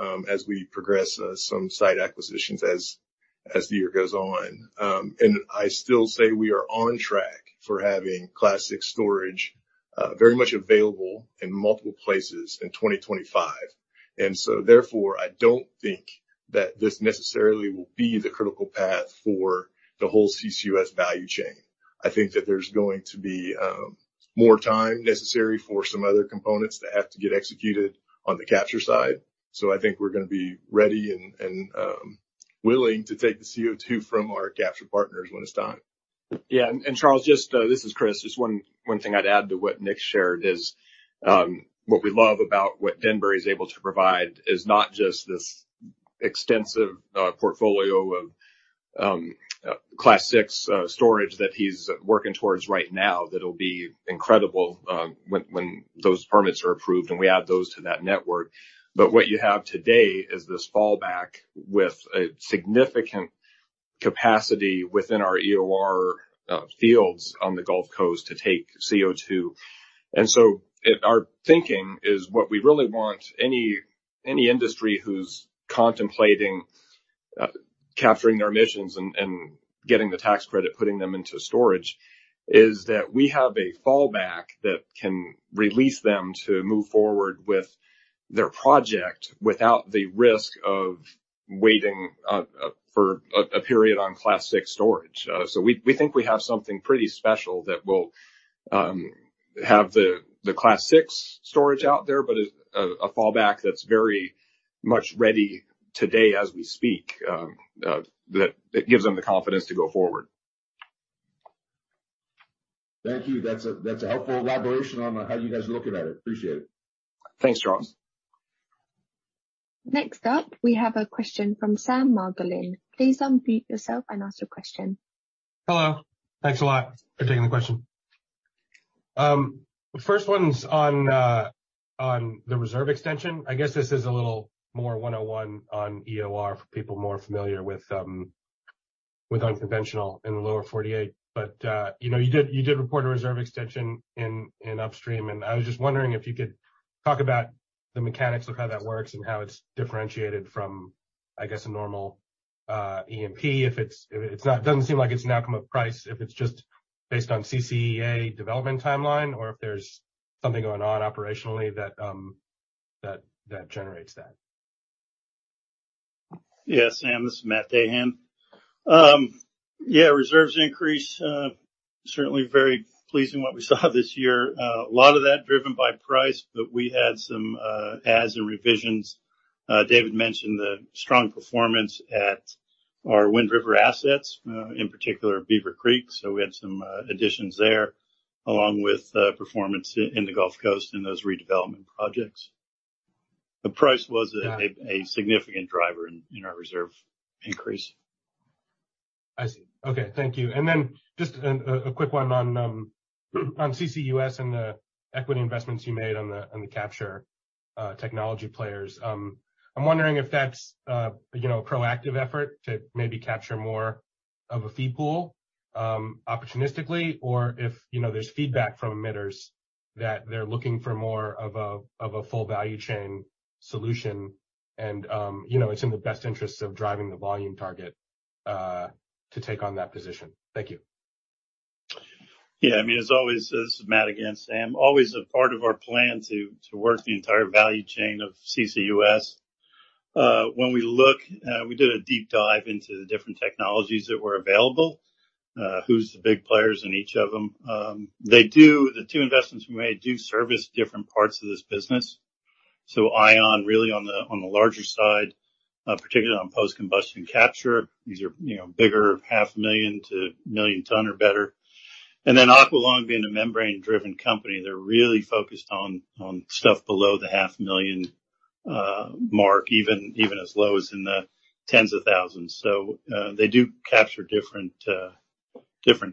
as we progress some site acquisitions as the year goes on. I still say we are on track for having Class VI storage very much available in multiple places in 2025. Therefore, I don't think that this necessarily will be the critical path for the whole CCUS value chain. I think that there's going to be more time necessary for some other components that have to get executed on the capture side. I think we're gonna be ready and willing to take the CO₂ from our capture partners when it's time. Charles, just, this is Chris. Just one thing I'd add to what Nik shared is, what we love about what Denbury is able to provide is not just this extensive portfolio of Class VI storage that he's working towards right now that'll be incredible when those permits are approved, and we add those to that network. What you have today is this fallback with a significant capacity within our EOR fields on the Gulf Coast to take CO₂. Our thinking is what we really want any industry who's contemplating capturing their emissions and getting the tax credit, putting them into storage, is that we have a fallback that can release them to move forward with their project without the risk of waiting for a period on Class VI storage. We think we have something pretty special that will have the Class VI storage out there, but is a fallback that's very much ready today as we speak, that gives them the confidence to go forward. Thank you. That's a helpful elaboration on how you guys are looking at it. Appreciate it. Thanks, Charles. Next up, we have a question from Sam Margolin. Please unmute yourself and ask your question. Hello. Thanks a lot for taking the question. The first one's on the reserve extension. I guess this is a little more one-on-one on EOR for people more familiar with unconventional in the lower 48. You know, you did report a reserve extension in upstream, and I was just wondering if you could talk about the mechanics of how that works and how it's differentiated from, I guess, a normal E&P. If it's not, doesn't seem like it's an outcome of price, if it's just based on CCA development timeline or if there's something going on operationally that generates that. Sam. This is Matt Dahan. Reserves increase, certainly very pleasing what we saw this year. A lot of that driven by price, but we had some adds and revisions. David mentioned the strong performance at our Wind River assets, in particular Beaver Creek. We had some additions there, along with performance in the Gulf Coast and those redevelopment projects. The price was a... Yeah... a significant driver in our reserve increase. I see. Okay. Thank you. Then just a quick one on CCUS and the equity investments you made on the capture technology players. I'm wondering if that's, you know, a proactive effort to maybe capture more of a fee pool, opportunistically or if, you know, there's feedback from emitters that they're looking for more of a, of a full value chain solution and, you know, it's in the best interest of driving the volume target, to take on that position? Thank you. Yeah. I mean, as always... This is Matt again, Sam. Always a part of our plan to work the entire value chain of CCUS. When we look, we did a deep dive into the different technologies that were available, who's the big players in each of them. The two investments we made do service different parts of this business. ION really on the larger side, particularly on post-combustion capture. These are, you know, bigger 500,000-1,000,000 ton or better. Aqualung being a membrane-driven company, they're really focused on stuff below the 500,000 mark, even as low as in the tens of thousands. They do capture different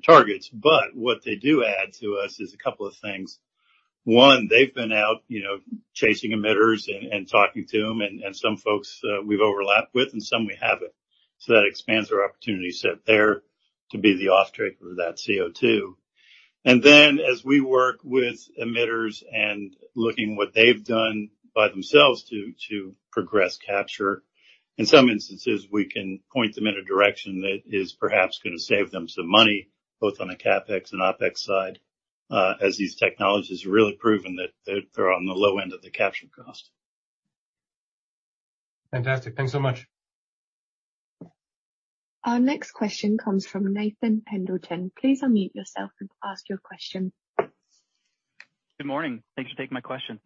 targets. What they do add to us is a couple of things. One, they've been out, you know, chasing emitters and talking to them, and some folks we've overlapped with and some we haven't. That expands our opportunity set there to be the off-taker of that CO₂. Then as we work with emitters and looking what they've done by themselves to progress capture, in some instances, we can point them in a direction that is perhaps gonna save them some money, both on a CapEx and OpEx side, as these technologies have really proven that they're on the low end of the capture cost. Fantastic. Thanks so much. Our next question comes from Nathan Pendleton. Please unmute yourself and ask your question. Good morning. Thanks for taking my question.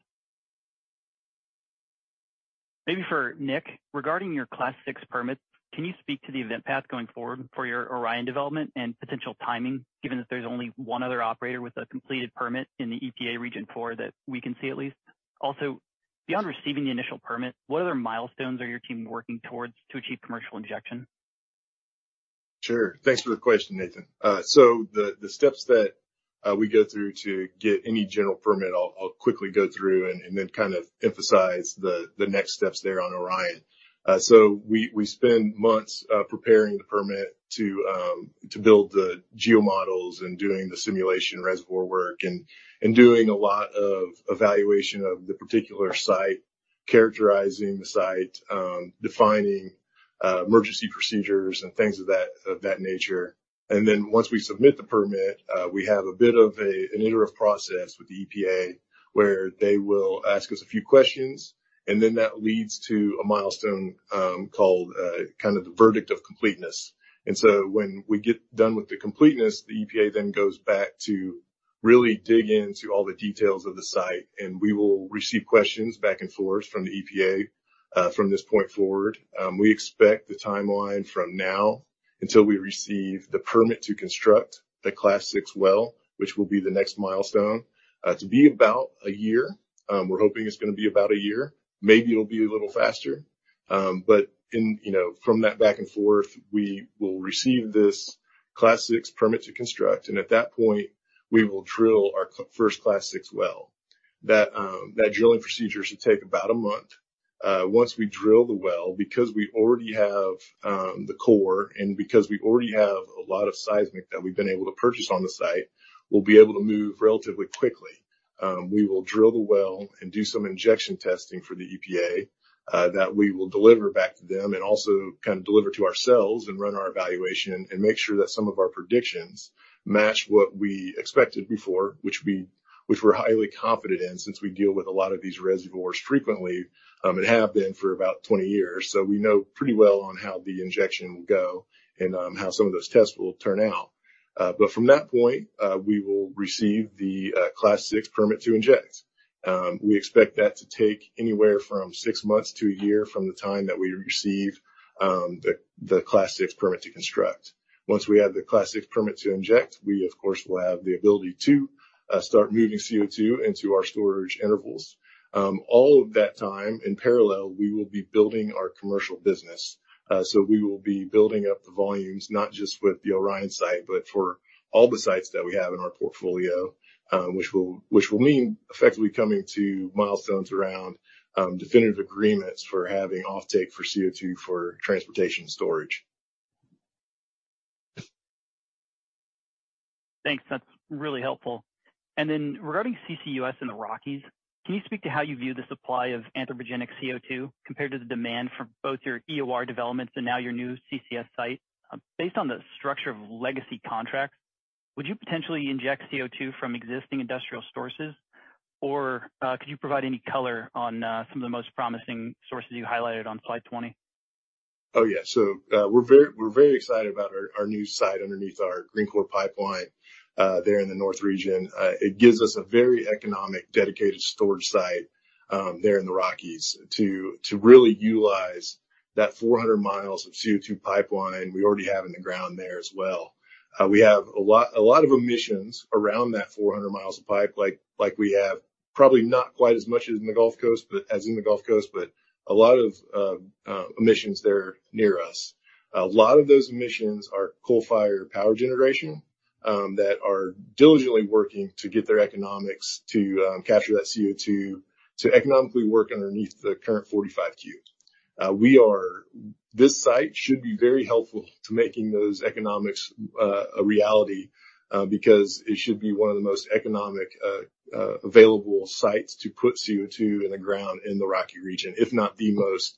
Maybe for Nik. Regarding your Class VI permits, can you speak to the event path going forward for your Orion development and potential timing, given that there's only one other operator with a completed permit in the EPA Region 4 that we can see at least? Beyond receiving the initial permit, what other milestones are your team working towards to achieve commercial injection? Sure. Thanks for the question, Nathan. The steps that we go through to get any general permit, I'll quickly go through and then kind of emphasize the next steps there on Orion. We spend months preparing the permit to build the geo models and doing the simulation reservoir work and doing a lot of evaluation of the particular site, characterizing the site, defining emergency procedures and things of that, of that nature. Once we submit the permit, we have a bit of an iterative process with the EPA. Where they will ask us a few questions, and then that leads to a milestone called kind of the verdict of completeness. When we get done with the completeness, the EPA then goes back to really dig into all the details of the site, and we will receive questions back and forth from the EPA from this point forward. We expect the timeline from now until we receive the permit to construct the Class VI well, which will be the next milestone, to be about one year. We're hoping it's gonna be about one year. Maybe it'll be a little faster. In, you know, from that back and forth, we will receive this Class VI permit to construct, and at that point, we will drill our first Class VI well. That drilling procedure should take about one month. Once we drill the well, because we already have the core and because we already have a lot of seismic that we've been able to purchase on the site, we'll be able to move relatively quickly. We will drill the well and do some injection testing for the EPA that we will deliver back to them and also kind of deliver to ourselves and run our evaluation and make sure that some of our predictions match what we expected before, which we're highly confident in since we deal with a lot of these reservoirs frequently, and have been for about 20 years. We know pretty well on how the injection will go and how some of those tests will turn out. From that point, we will receive the Class VI permit to inject. We expect that to take anywhere from six months to a year from the time that we receive the Class VI permit to construct. Once we have the Class VI permit to inject, we of course, will have the ability to start moving CO₂ into our storage intervals. All of that time in parallel, we will be building our commercial business. We will be building up the volumes, not just with the Orion site, but for all the sites that we have in our portfolio, which will mean effectively coming to milestones around definitive agreements for having offtake for CO₂ for transportation storage. Thanks. That's really helpful. Regarding CCUS in the Rockies, can you speak to how you view the supply of anthropogenic CO₂ compared to the demand for both your EOR developments and now your new CCS site? Based on the structure of legacy contracts, would you potentially inject CO₂ from existing industrial sources, or, could you provide any color on some of the most promising sources you highlighted on slide 20? Yeah. We're very excited about our new site underneath our Green Core Pipeline, there in the North region. It gives us a very economic dedicated storage site, there in the Rockies to really utilize that 400 mi of CO₂ pipeline we already have in the ground there as well. We have a lot of emissions around that 400 mi of pipe, like we have probably not quite as much as in the Gulf Coast, but a lot of emissions there near us. A lot of those emissions are coal-fired power generation, that are diligently working to get their economics to capture that CO₂ to economically work underneath the current 45Q. We are... This site should be very helpful to making those economics a reality, because it should be one of the most economic available sites to put CO₂ in the ground in the Rocky region, if not the most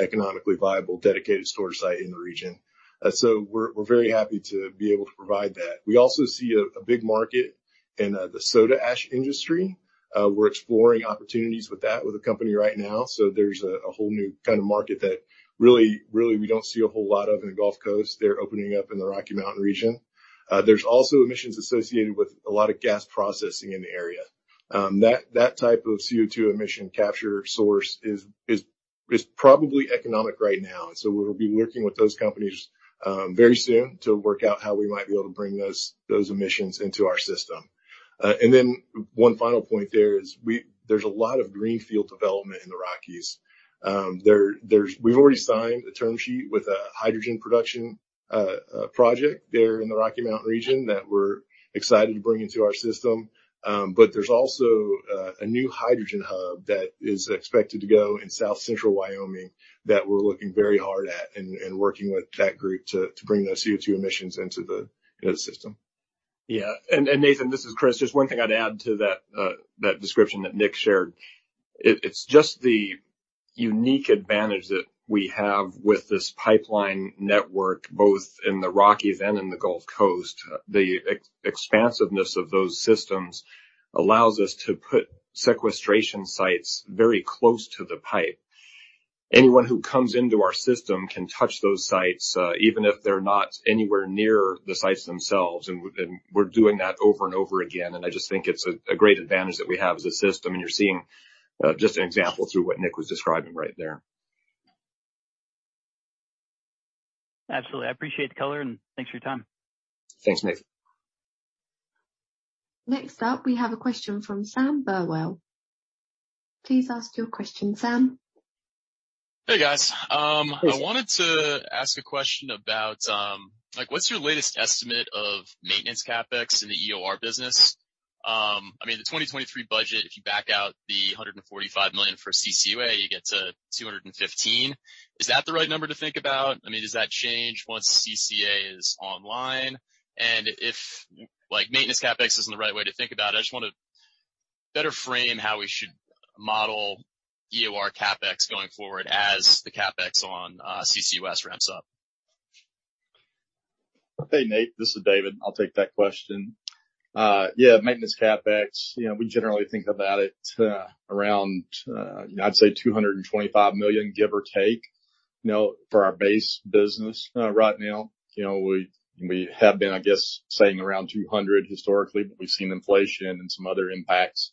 economically viable dedicated storage site in the region. We're very happy to be able to provide that. We also see a big market in the soda ash industry. We're exploring opportunities with that with a company right now. There's a whole new kind of market that really we don't see a whole lot of in the Gulf Coast. They're opening up in the Rocky Mountain region. There's also emissions associated with a lot of gas processing in the area. That type of CO₂ emission capture source is probably economic right now. We'll be working with those companies very soon to work out how we might be able to bring those emissions into our system. One final point there is there's a lot of greenfield development in the Rockies. We've already signed a term sheet with a hydrogen production project there in the Rocky Mountain region that we're excited to bring into our system. There's also a new hydrogen hub that is expected to go in South Central Wyoming that we're looking very hard at and working with that group to bring those CO₂ emissions into the system. Yeah. Nathan, this is Chris. There's one thing I'd add to that description that Nik shared. It's just the unique advantage that we have with this pipeline network, both in the Rockies and in the Gulf Coast. The expansiveness of those systems allows us to put sequestration sites very close to the pipe. Anyone who comes into our system can touch those sites, even if they're not anywhere near the sites themselves, and we're doing that over and over again. I just think it's a great advantage that we have as a system, and you're seeing just an example through what Nik was describing right there. Absolutely. I appreciate the color, and thanks for your time. Thanks, Nathan. Next up, we have a question from Sam Burwell. Please ask your question, Sam. Hey, guys. I wanted to ask a question about, like, what's your latest estimate of maintenance CapEx in the EOR business? I mean, the 2023 budget, if you back out the $145 million for CCA, you get to $215 million. Is that the right number to think about? I mean, does that change once CCA is online? If, like, maintenance CapEx isn't the right way to think about it, I just wanna better frame how we should model EOR CapEx going forward as the CapEx on CCUS ramps up. Hey, Nate, this is David. I'll take that question. Yeah, maintenance CapEx, you know, we generally think about it around I'd say $225 million, give or take, you know, for our base business right now. You know, we have been, I guess, saying around $200 million historically, but we've seen inflation and some other impacts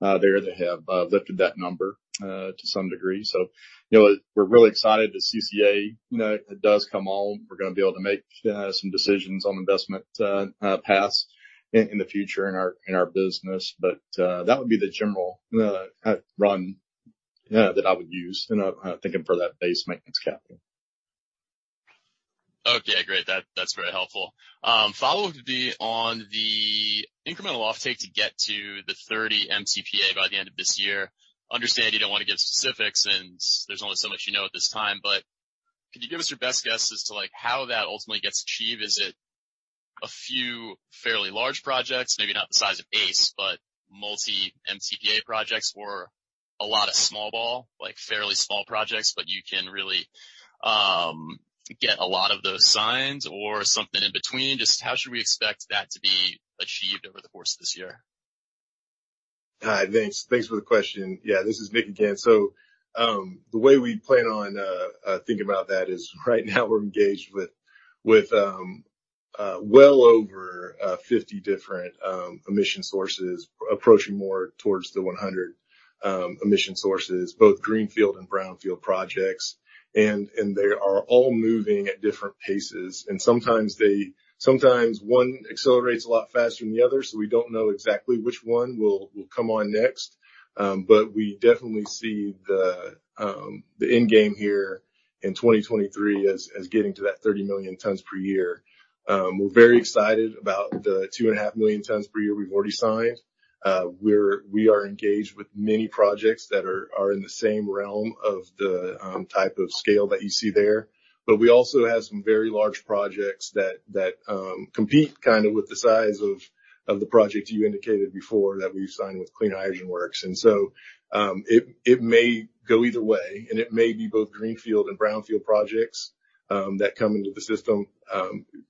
there that have lifted that number to some degree. You know, we're really excited that CCA, you know, it does come on. We're gonna be able to make some decisions on investment paths in the future in our business. That would be the general run that I would use in thinking for that base maintenance capital. Okay, great. That, that's very helpful. Follow-up would be on the incremental offtake to get to the 30 MTPA by the end of this year. Understand you don't wanna give specifics, and there's only so much you know at this time, but could you give us your best guess as to, like, how that ultimately gets achieved? Is it a few fairly large projects, maybe not the size of ACE, but multi-MTPA projects or a lot of small ball, like fairly small projects, but you can really get a lot of those signs or something in between? Just how should we expect that to be achieved over the course of this year? Thanks. Thanks for the question. Yeah, this is Nik again. The way we plan on thinking about that is, right now we're engaged with well over 50 different emission sources, approaching more towards the 100 emission sources, both greenfield and brownfield projects. They are all moving at different paces. Sometimes one accelerates a lot faster than the other, so we don't know exactly which one will come on next. We definitely see the end game here in 2023 as getting to that 30 millions tons per year. We're very excited about the 2.5 millions tons per year we've already signed. We're, we are engaged with many projects that are in the same realm of the type of scale that you see there. We also have some very large projects that compete kinda with the size of the project you indicated before that we've signed with Clean Hydrogen Works. It may go either way, and it may be both greenfield and brownfield projects that come into the system.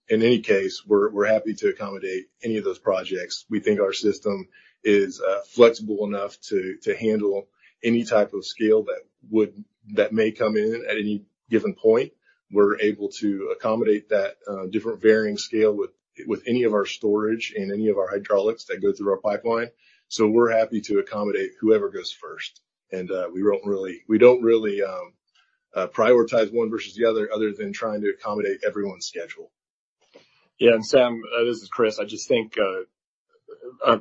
In any case, we're happy to accommodate any of those projects. We think our system is flexible enough to handle any type of scale that may come in at any given point. We're able to accommodate that different varying scale with any of our storage and any of our hydraulics that go through our pipeline. We're happy to accommodate whoever goes first. We don't really prioritize one versus the other other than trying to accommodate everyone's schedule. Yeah. Sam, this is Chris. I just think,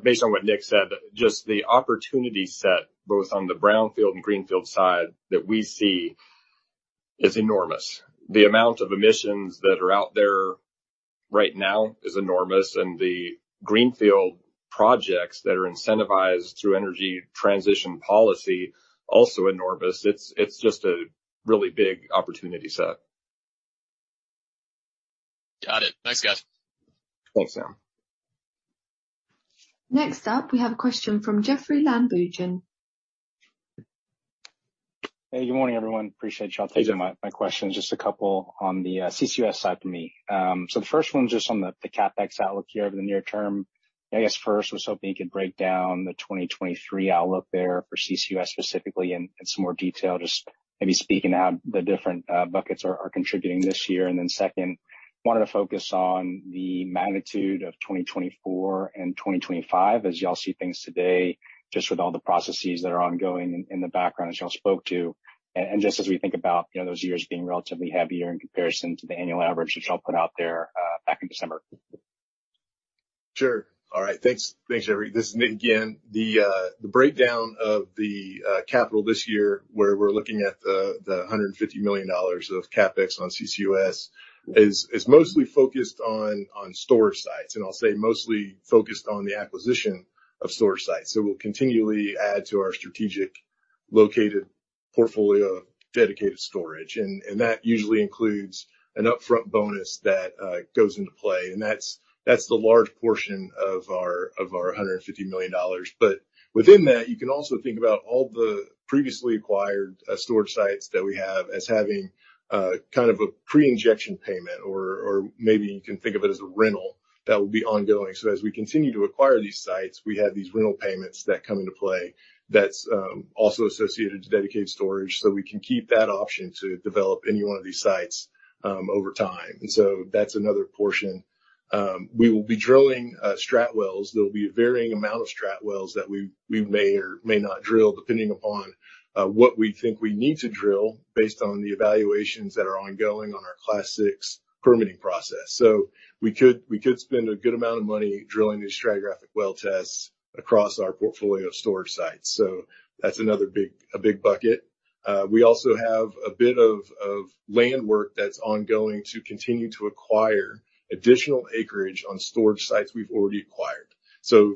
based on what Nik said, just the opportunity set both on the brownfield and greenfield side that we see is enormous. The amount of emissions that are out there right now is enormous, and the greenfield projects that are incentivized through energy transition policy also enormous. It's just a really big opportunity set. Got it. Thanks, guys. Thanks, Sam. Next up we have a question from Jeoffrey Lambujon. Hey, good morning, everyone. Appreciate. Hey, Jeoff. Taking my questions. Just a couple on the CCUS side for me. The first one's just on the CapEx outlook here over the near term. I guess first was hoping you could break down the 2023 outlook there for CCUS specifically in some more detail, just maybe speaking to how the different buckets are contributing this year. Then second, wanted to focus on the magnitude of 2024 and 2025 as y'all see things today, just with all the processes that are ongoing in the background as y'all spoke to. Just as we think about, you know, those years being relatively heavier in comparison to the annual average, which y'all put out there back in December. Sure. All right. Thanks. Thanks, Jeoffrey. This is Nik again. The breakdown of the capital this year where we're looking at the $150 million of CapEx on CCUS is mostly focused on storage sites. I'll say mostly focused on the acquisition of storage sites. We'll continually add to our strategic located portfolio of dedicated storage. That usually includes an upfront bonus that goes into play. That's the large portion of our $150 million. Within that, you can also think about all the previously acquired storage sites that we have as having kind of a pre-injection payment, or maybe you can think of it as a rental that will be ongoing. As we continue to acquire these sites, we have these rental payments that come into play that's also associated to dedicated storage, so we can keep that option to develop any one of these sites over time. That's another portion. We will be drilling strat wells. There will be a varying amount of strat wells that we may or may not drill, depending upon what we think we need to drill based on the evaluations that are ongoing on our Class VI permitting process. We could spend a good amount of money drilling these stratigraphic well tests across our portfolio of storage sites. That's another big bucket. We also have a bit of land work that's ongoing to continue to acquire additional acreage on storage sites we've already acquired.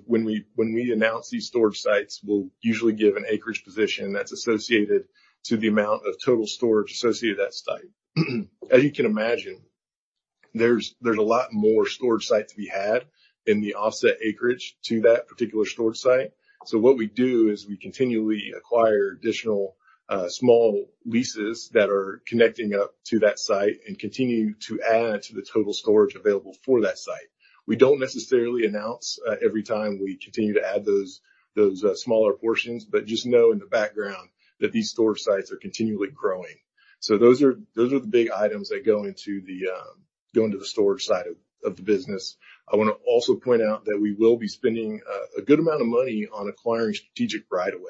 When we, when we announce these storage sites, we'll usually give an acreage position that's associated to the amount of total storage associated with that site. As you can imagine, there's a lot more storage sites we had in the offset acreage to that particular storage site. What we do is we continually acquire additional small leases that are connecting up to that site and continue to add to the total storage available for that site. We don't necessarily announce every time we continue to add those smaller portions, but just know in the background that these storage sites are continually growing. Those are the big items that go into the, go into the storage side of the business. I wanna also point out that we will be spending a good amount of money on acquiring strategic right of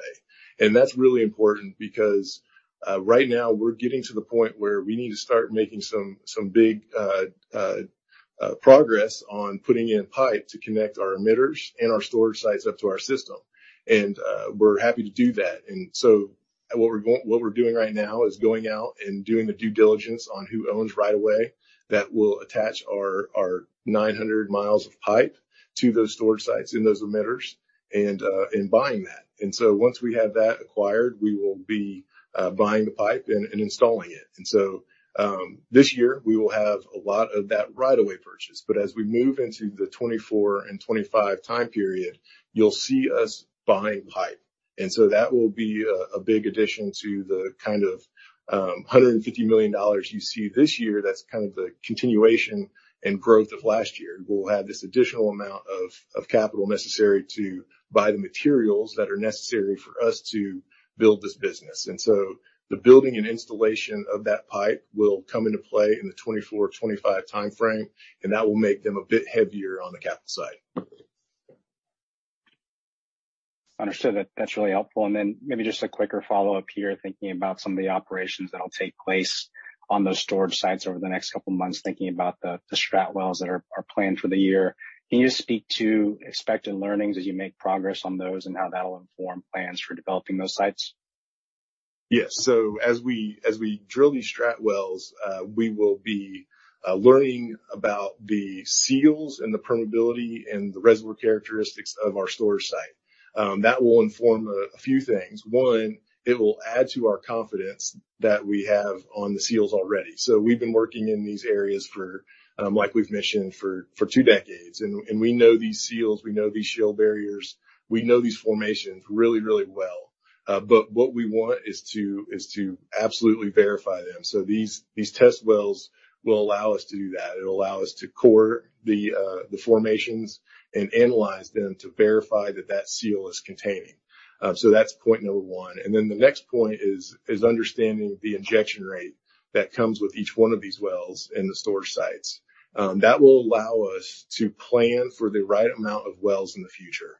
way. That's really important because right now we're getting to the point where we need to start making some big progress on putting in pipe to connect our emitters and our storage sites up to our system. We're happy to do that. What we're doing right now is going out and doing the due diligence on who owns right of way that will attach our 900 mi of pipe to those storage sites and those emitters, and buying that. Once we have that acquired, we will be buying the pipe and installing it. This year, we will have a lot of that right of way purchase. But as we move into the 2024 and 2025 time period, you'll see us buying pipe. That will be a big addition to the kind of $150 million you see this year. That's kind of the continuation and growth of last year. We'll have this additional amount of capital necessary to buy the materials that are necessary for us to build this business. The building and installation of that pipe will come into play in the 2024/2025 timeframe, and that will make them a bit heavier on the capital side. Understood. That's really helpful. Then maybe just a quicker follow-up here, thinking about some of the operations that'll take place on those storage sites over the next couple of months, thinking about the strat wells that are planned for the year. Can you just speak to expected learnings as you make progress on those and how that'll inform plans for developing those sites? Yes. As we drill these strat wells, we will be learning about the seals and the permeability and the reservoir characteristics of our storage site. That will inform a few things. One, it will add to our confidence that we have on the seals already. We've been working in these areas for like we've mentioned, for two decades. We know these seals, we know these shell barriers, we know these formations really, really well. What we want is to absolutely verify them. These test wells will allow us to do that. It'll allow us to core the formations and analyze them to verify that that seal is containing. That's point number one. The next point is understanding the injection rate that comes with each one of these wells in the storage sites. That will allow us to plan for the right amount of wells in the future.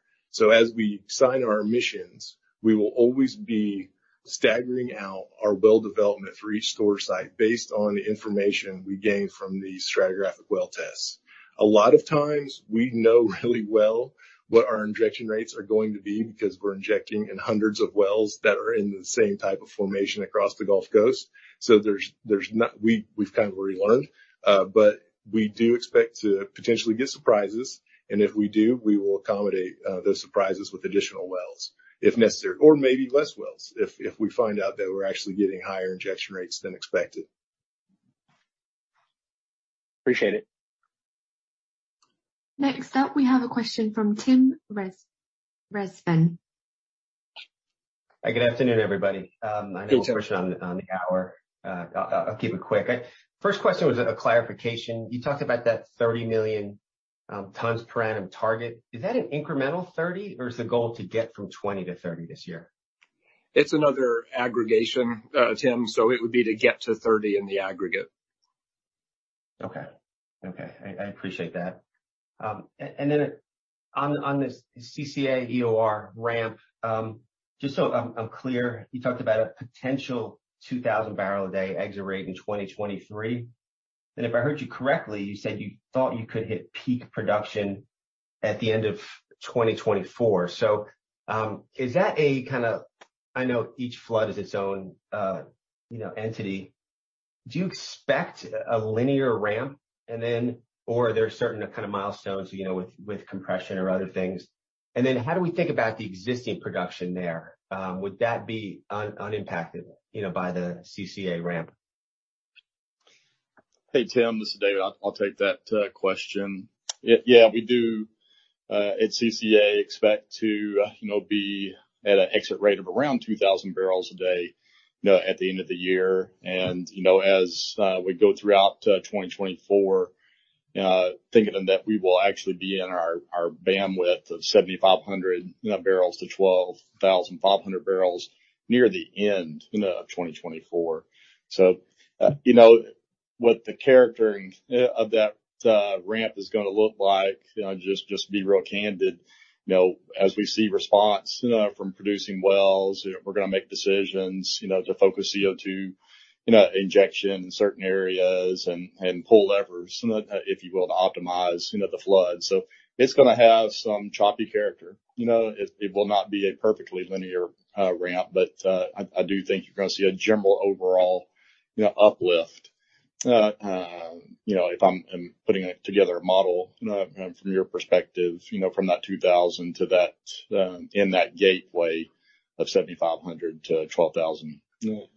As we sign our emissions, we will always be staggering out our well development for each storage site based on the information we gain from the stratigraphic well tests. A lot of times we know really well what our injection rates are going to be because we're injecting in hundreds of wells that are in the same type of formation across the Gulf Coast. There's, there's not... We've kind of already learned, but we do expect to potentially get surprises. If we do, we will accommodate, those surprises with additional wells if necessary, or maybe less wells if we find out that we're actually getting higher injection rates than expected. Appreciate it. Next up, we have a question from Tim Rezvan. Hi, good afternoon, everybody. I know we're pushing on the hour. I'll keep it quick. First question was a clarification. You talked about that 30 million tons per annum target. Is that an incremental 30, or is the goal to get from 20 to 30 this year? It's another aggregation, Tim, so it would be to get to 30 in the aggregate. Okay. Okay. I appreciate that. Then on this CCA EOR ramp, just so I'm clear, you talked about a potential 2,000 barrel a day exit rate in 2023. If I heard you correctly, you said you thought you could hit peak production at the end of 2024. Is that I know each flood is its own, you know, entity. Do you expect a linear ramp? Or are there certain kind of milestones, you know, with compression or other things? How do we think about the existing production there? Would that be unimpacted, you know, by the CCA ramp? Hey, Tim, this is David. I'll take that question. Yeah, we do at CCA expect to, you know, be at a exit rate of around 2,000 barrels a day, you know, at the end of the year. You know, as we go throughout 2024, thinking that we will actually be in our bandwidth of 7,500 bbl-12,500 bbl near the end, you know, of 2024. You know, what the characterizing of that ramp is gonna look like, you know, just be real candid. You know, as we see response, you know, from producing wells, you know, we're gonna make decisions, you know, to focus CO₂, you know, injection in certain areas and pull levers, you know, if you will, to optimize, you know, the flood. It's gonna have some choppy character. You know, it will not be a perfectly linear, ramp, but I do think you're gonna see a general overall, you know, uplift. You know, if I'm putting together a model, from your perspective, you know, from that 2,000 to that in that gateway of 7,500 to 12,500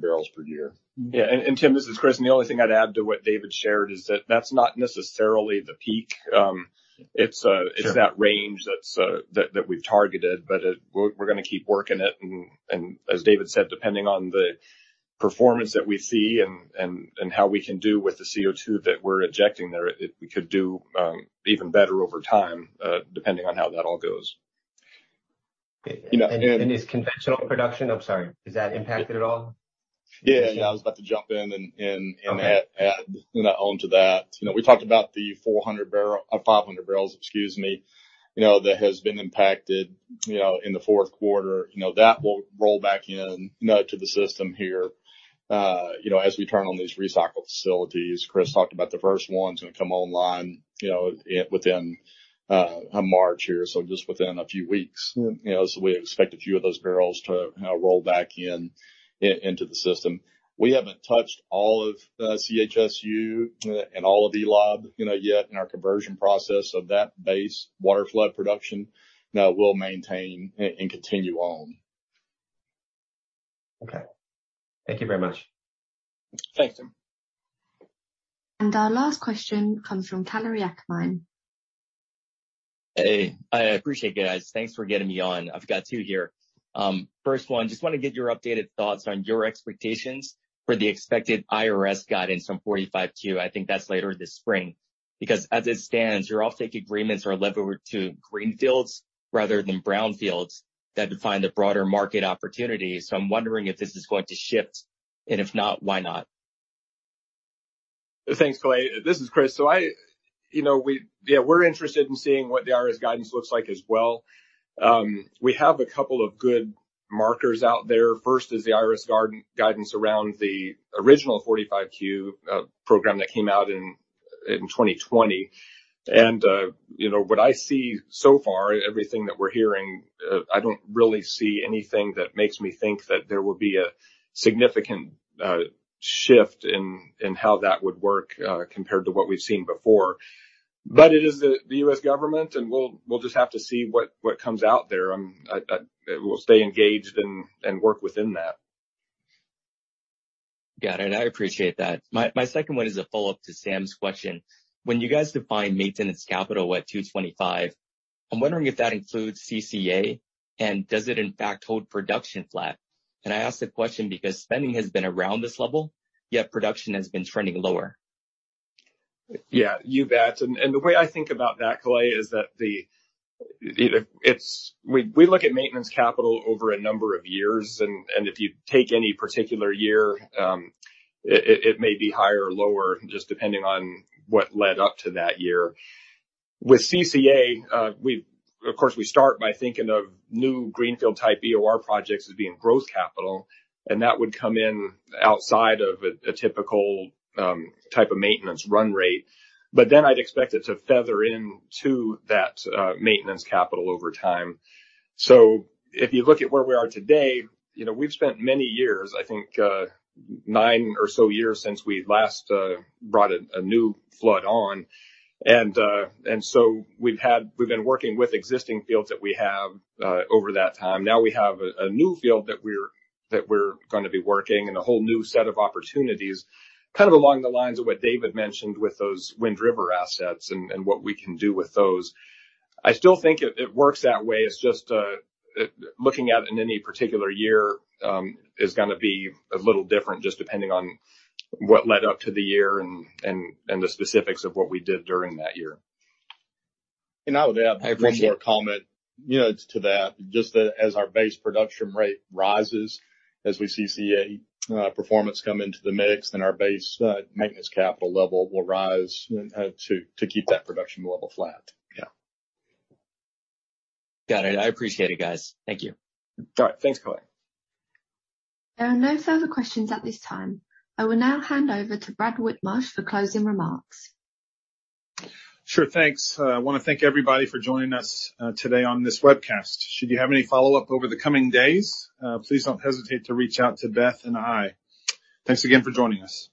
barrels per year. Yeah. Tim, this is Chris. The only thing I'd add to what David shared is that that's not necessarily the peak. It's Sure. It's that range that's, that we've targeted. We're gonna keep working it. As David said, depending on the performance that we see and how we can do with the CO₂ that we're injecting there, it, we could do even better over time, depending on how that all goes. You know, and- Oh, sorry. Is that impacted at all? Yeah. I was about to jump in and add, you know, onto that. You know, we talked about the 400 bbl or 500 bbl, excuse me, you know, that has been impacted, you know, in the fourth quarter. You know, that will roll back in, you know, to the system here, you know, as we turn on these recycled facilities. Chris talked about the first one's gonna come online, you know, within March here, so just within a few weeks. You know, so we expect a few of those barrels to roll back into the system. We haven't touched all of CHSU and all of the lab, you know, yet in our conversion process. So that base waterflood production, you know, will maintain and continue on. Okay. Thank you very much. Thanks, Tim. Our last question comes from Kalei Akamine. Hey, I appreciate you guys. Thanks for getting me on. I've got two here. First one, just wanna get your updated thoughts on your expectations for the expected IRS guidance from 45Q. I think that's later this spring. As it stands, your off-take agreements are levered to greenfields rather than brownfields that define the broader market opportunity. I'm wondering if this is going to shift. If not, why not? Thanks, Kalei. This is Chris. I... You know, we... Yeah, we're interested in seeing what the IRS guidance looks like as well. We have a couple of good markers out there. First is the IRS guidance around the original 45Q program that came out in 2020. You know, what I see so far, everything that we're hearing, I don't really see anything that makes me think that there will be a significant shift in how that would work compared to what we've seen before. It is the U.S. government, and we'll just have to see what comes out there. We'll stay engaged and work within that. Got it. I appreciate that. My second one is a follow-up to Sam's question. When you guys define maintenance capital at $225 million, I'm wondering if that includes CCA, and does it in fact hold production flat? I ask the question because spending has been around this level, yet production has been trending lower. Yeah, you bet. The way I think about that, Kalei, is that we look at maintenance capital over a number of years. If you take any particular year, it may be higher or lower just depending on what led up to that year. With CCA, of course, we start by thinking of new greenfield type EOR projects as being growth capital, and that would come in outside of a typical type of maintenance run rate. I'd expect it to feather into that maintenance capital over time. If you look at where we are today, you know, we've spent many years, I think, nine or so years since we last brought a new flood on. We've had. We've been working with existing fields that we have over that time. Now we have a new field that we're gonna be working and a whole new set of opportunities, kind of along the lines of what David mentioned with those Wind River assets and what we can do with those. I still think it works that way. It's just looking at in any particular year is gonna be a little different just depending on what led up to the year and the specifics of what we did during that year. I would add. I appreciate- One more comment, you know, to that. Just that as our base production rate rises, as we see CCA performance come into the mix, then our base maintenance capital level will rise to keep that production level flat. Yeah. Got it. I appreciate it, guys. Thank you. All right. Thanks, Kalei. There are no further questions at this time. I will now hand over to Brad Whitmarsh for closing remarks. Sure. Thanks. I wanna thank everybody for joining us today on this webcast. Should you have any follow-up over the coming days, please don't hesitate to reach out to Beth and I. Thanks again for joining us.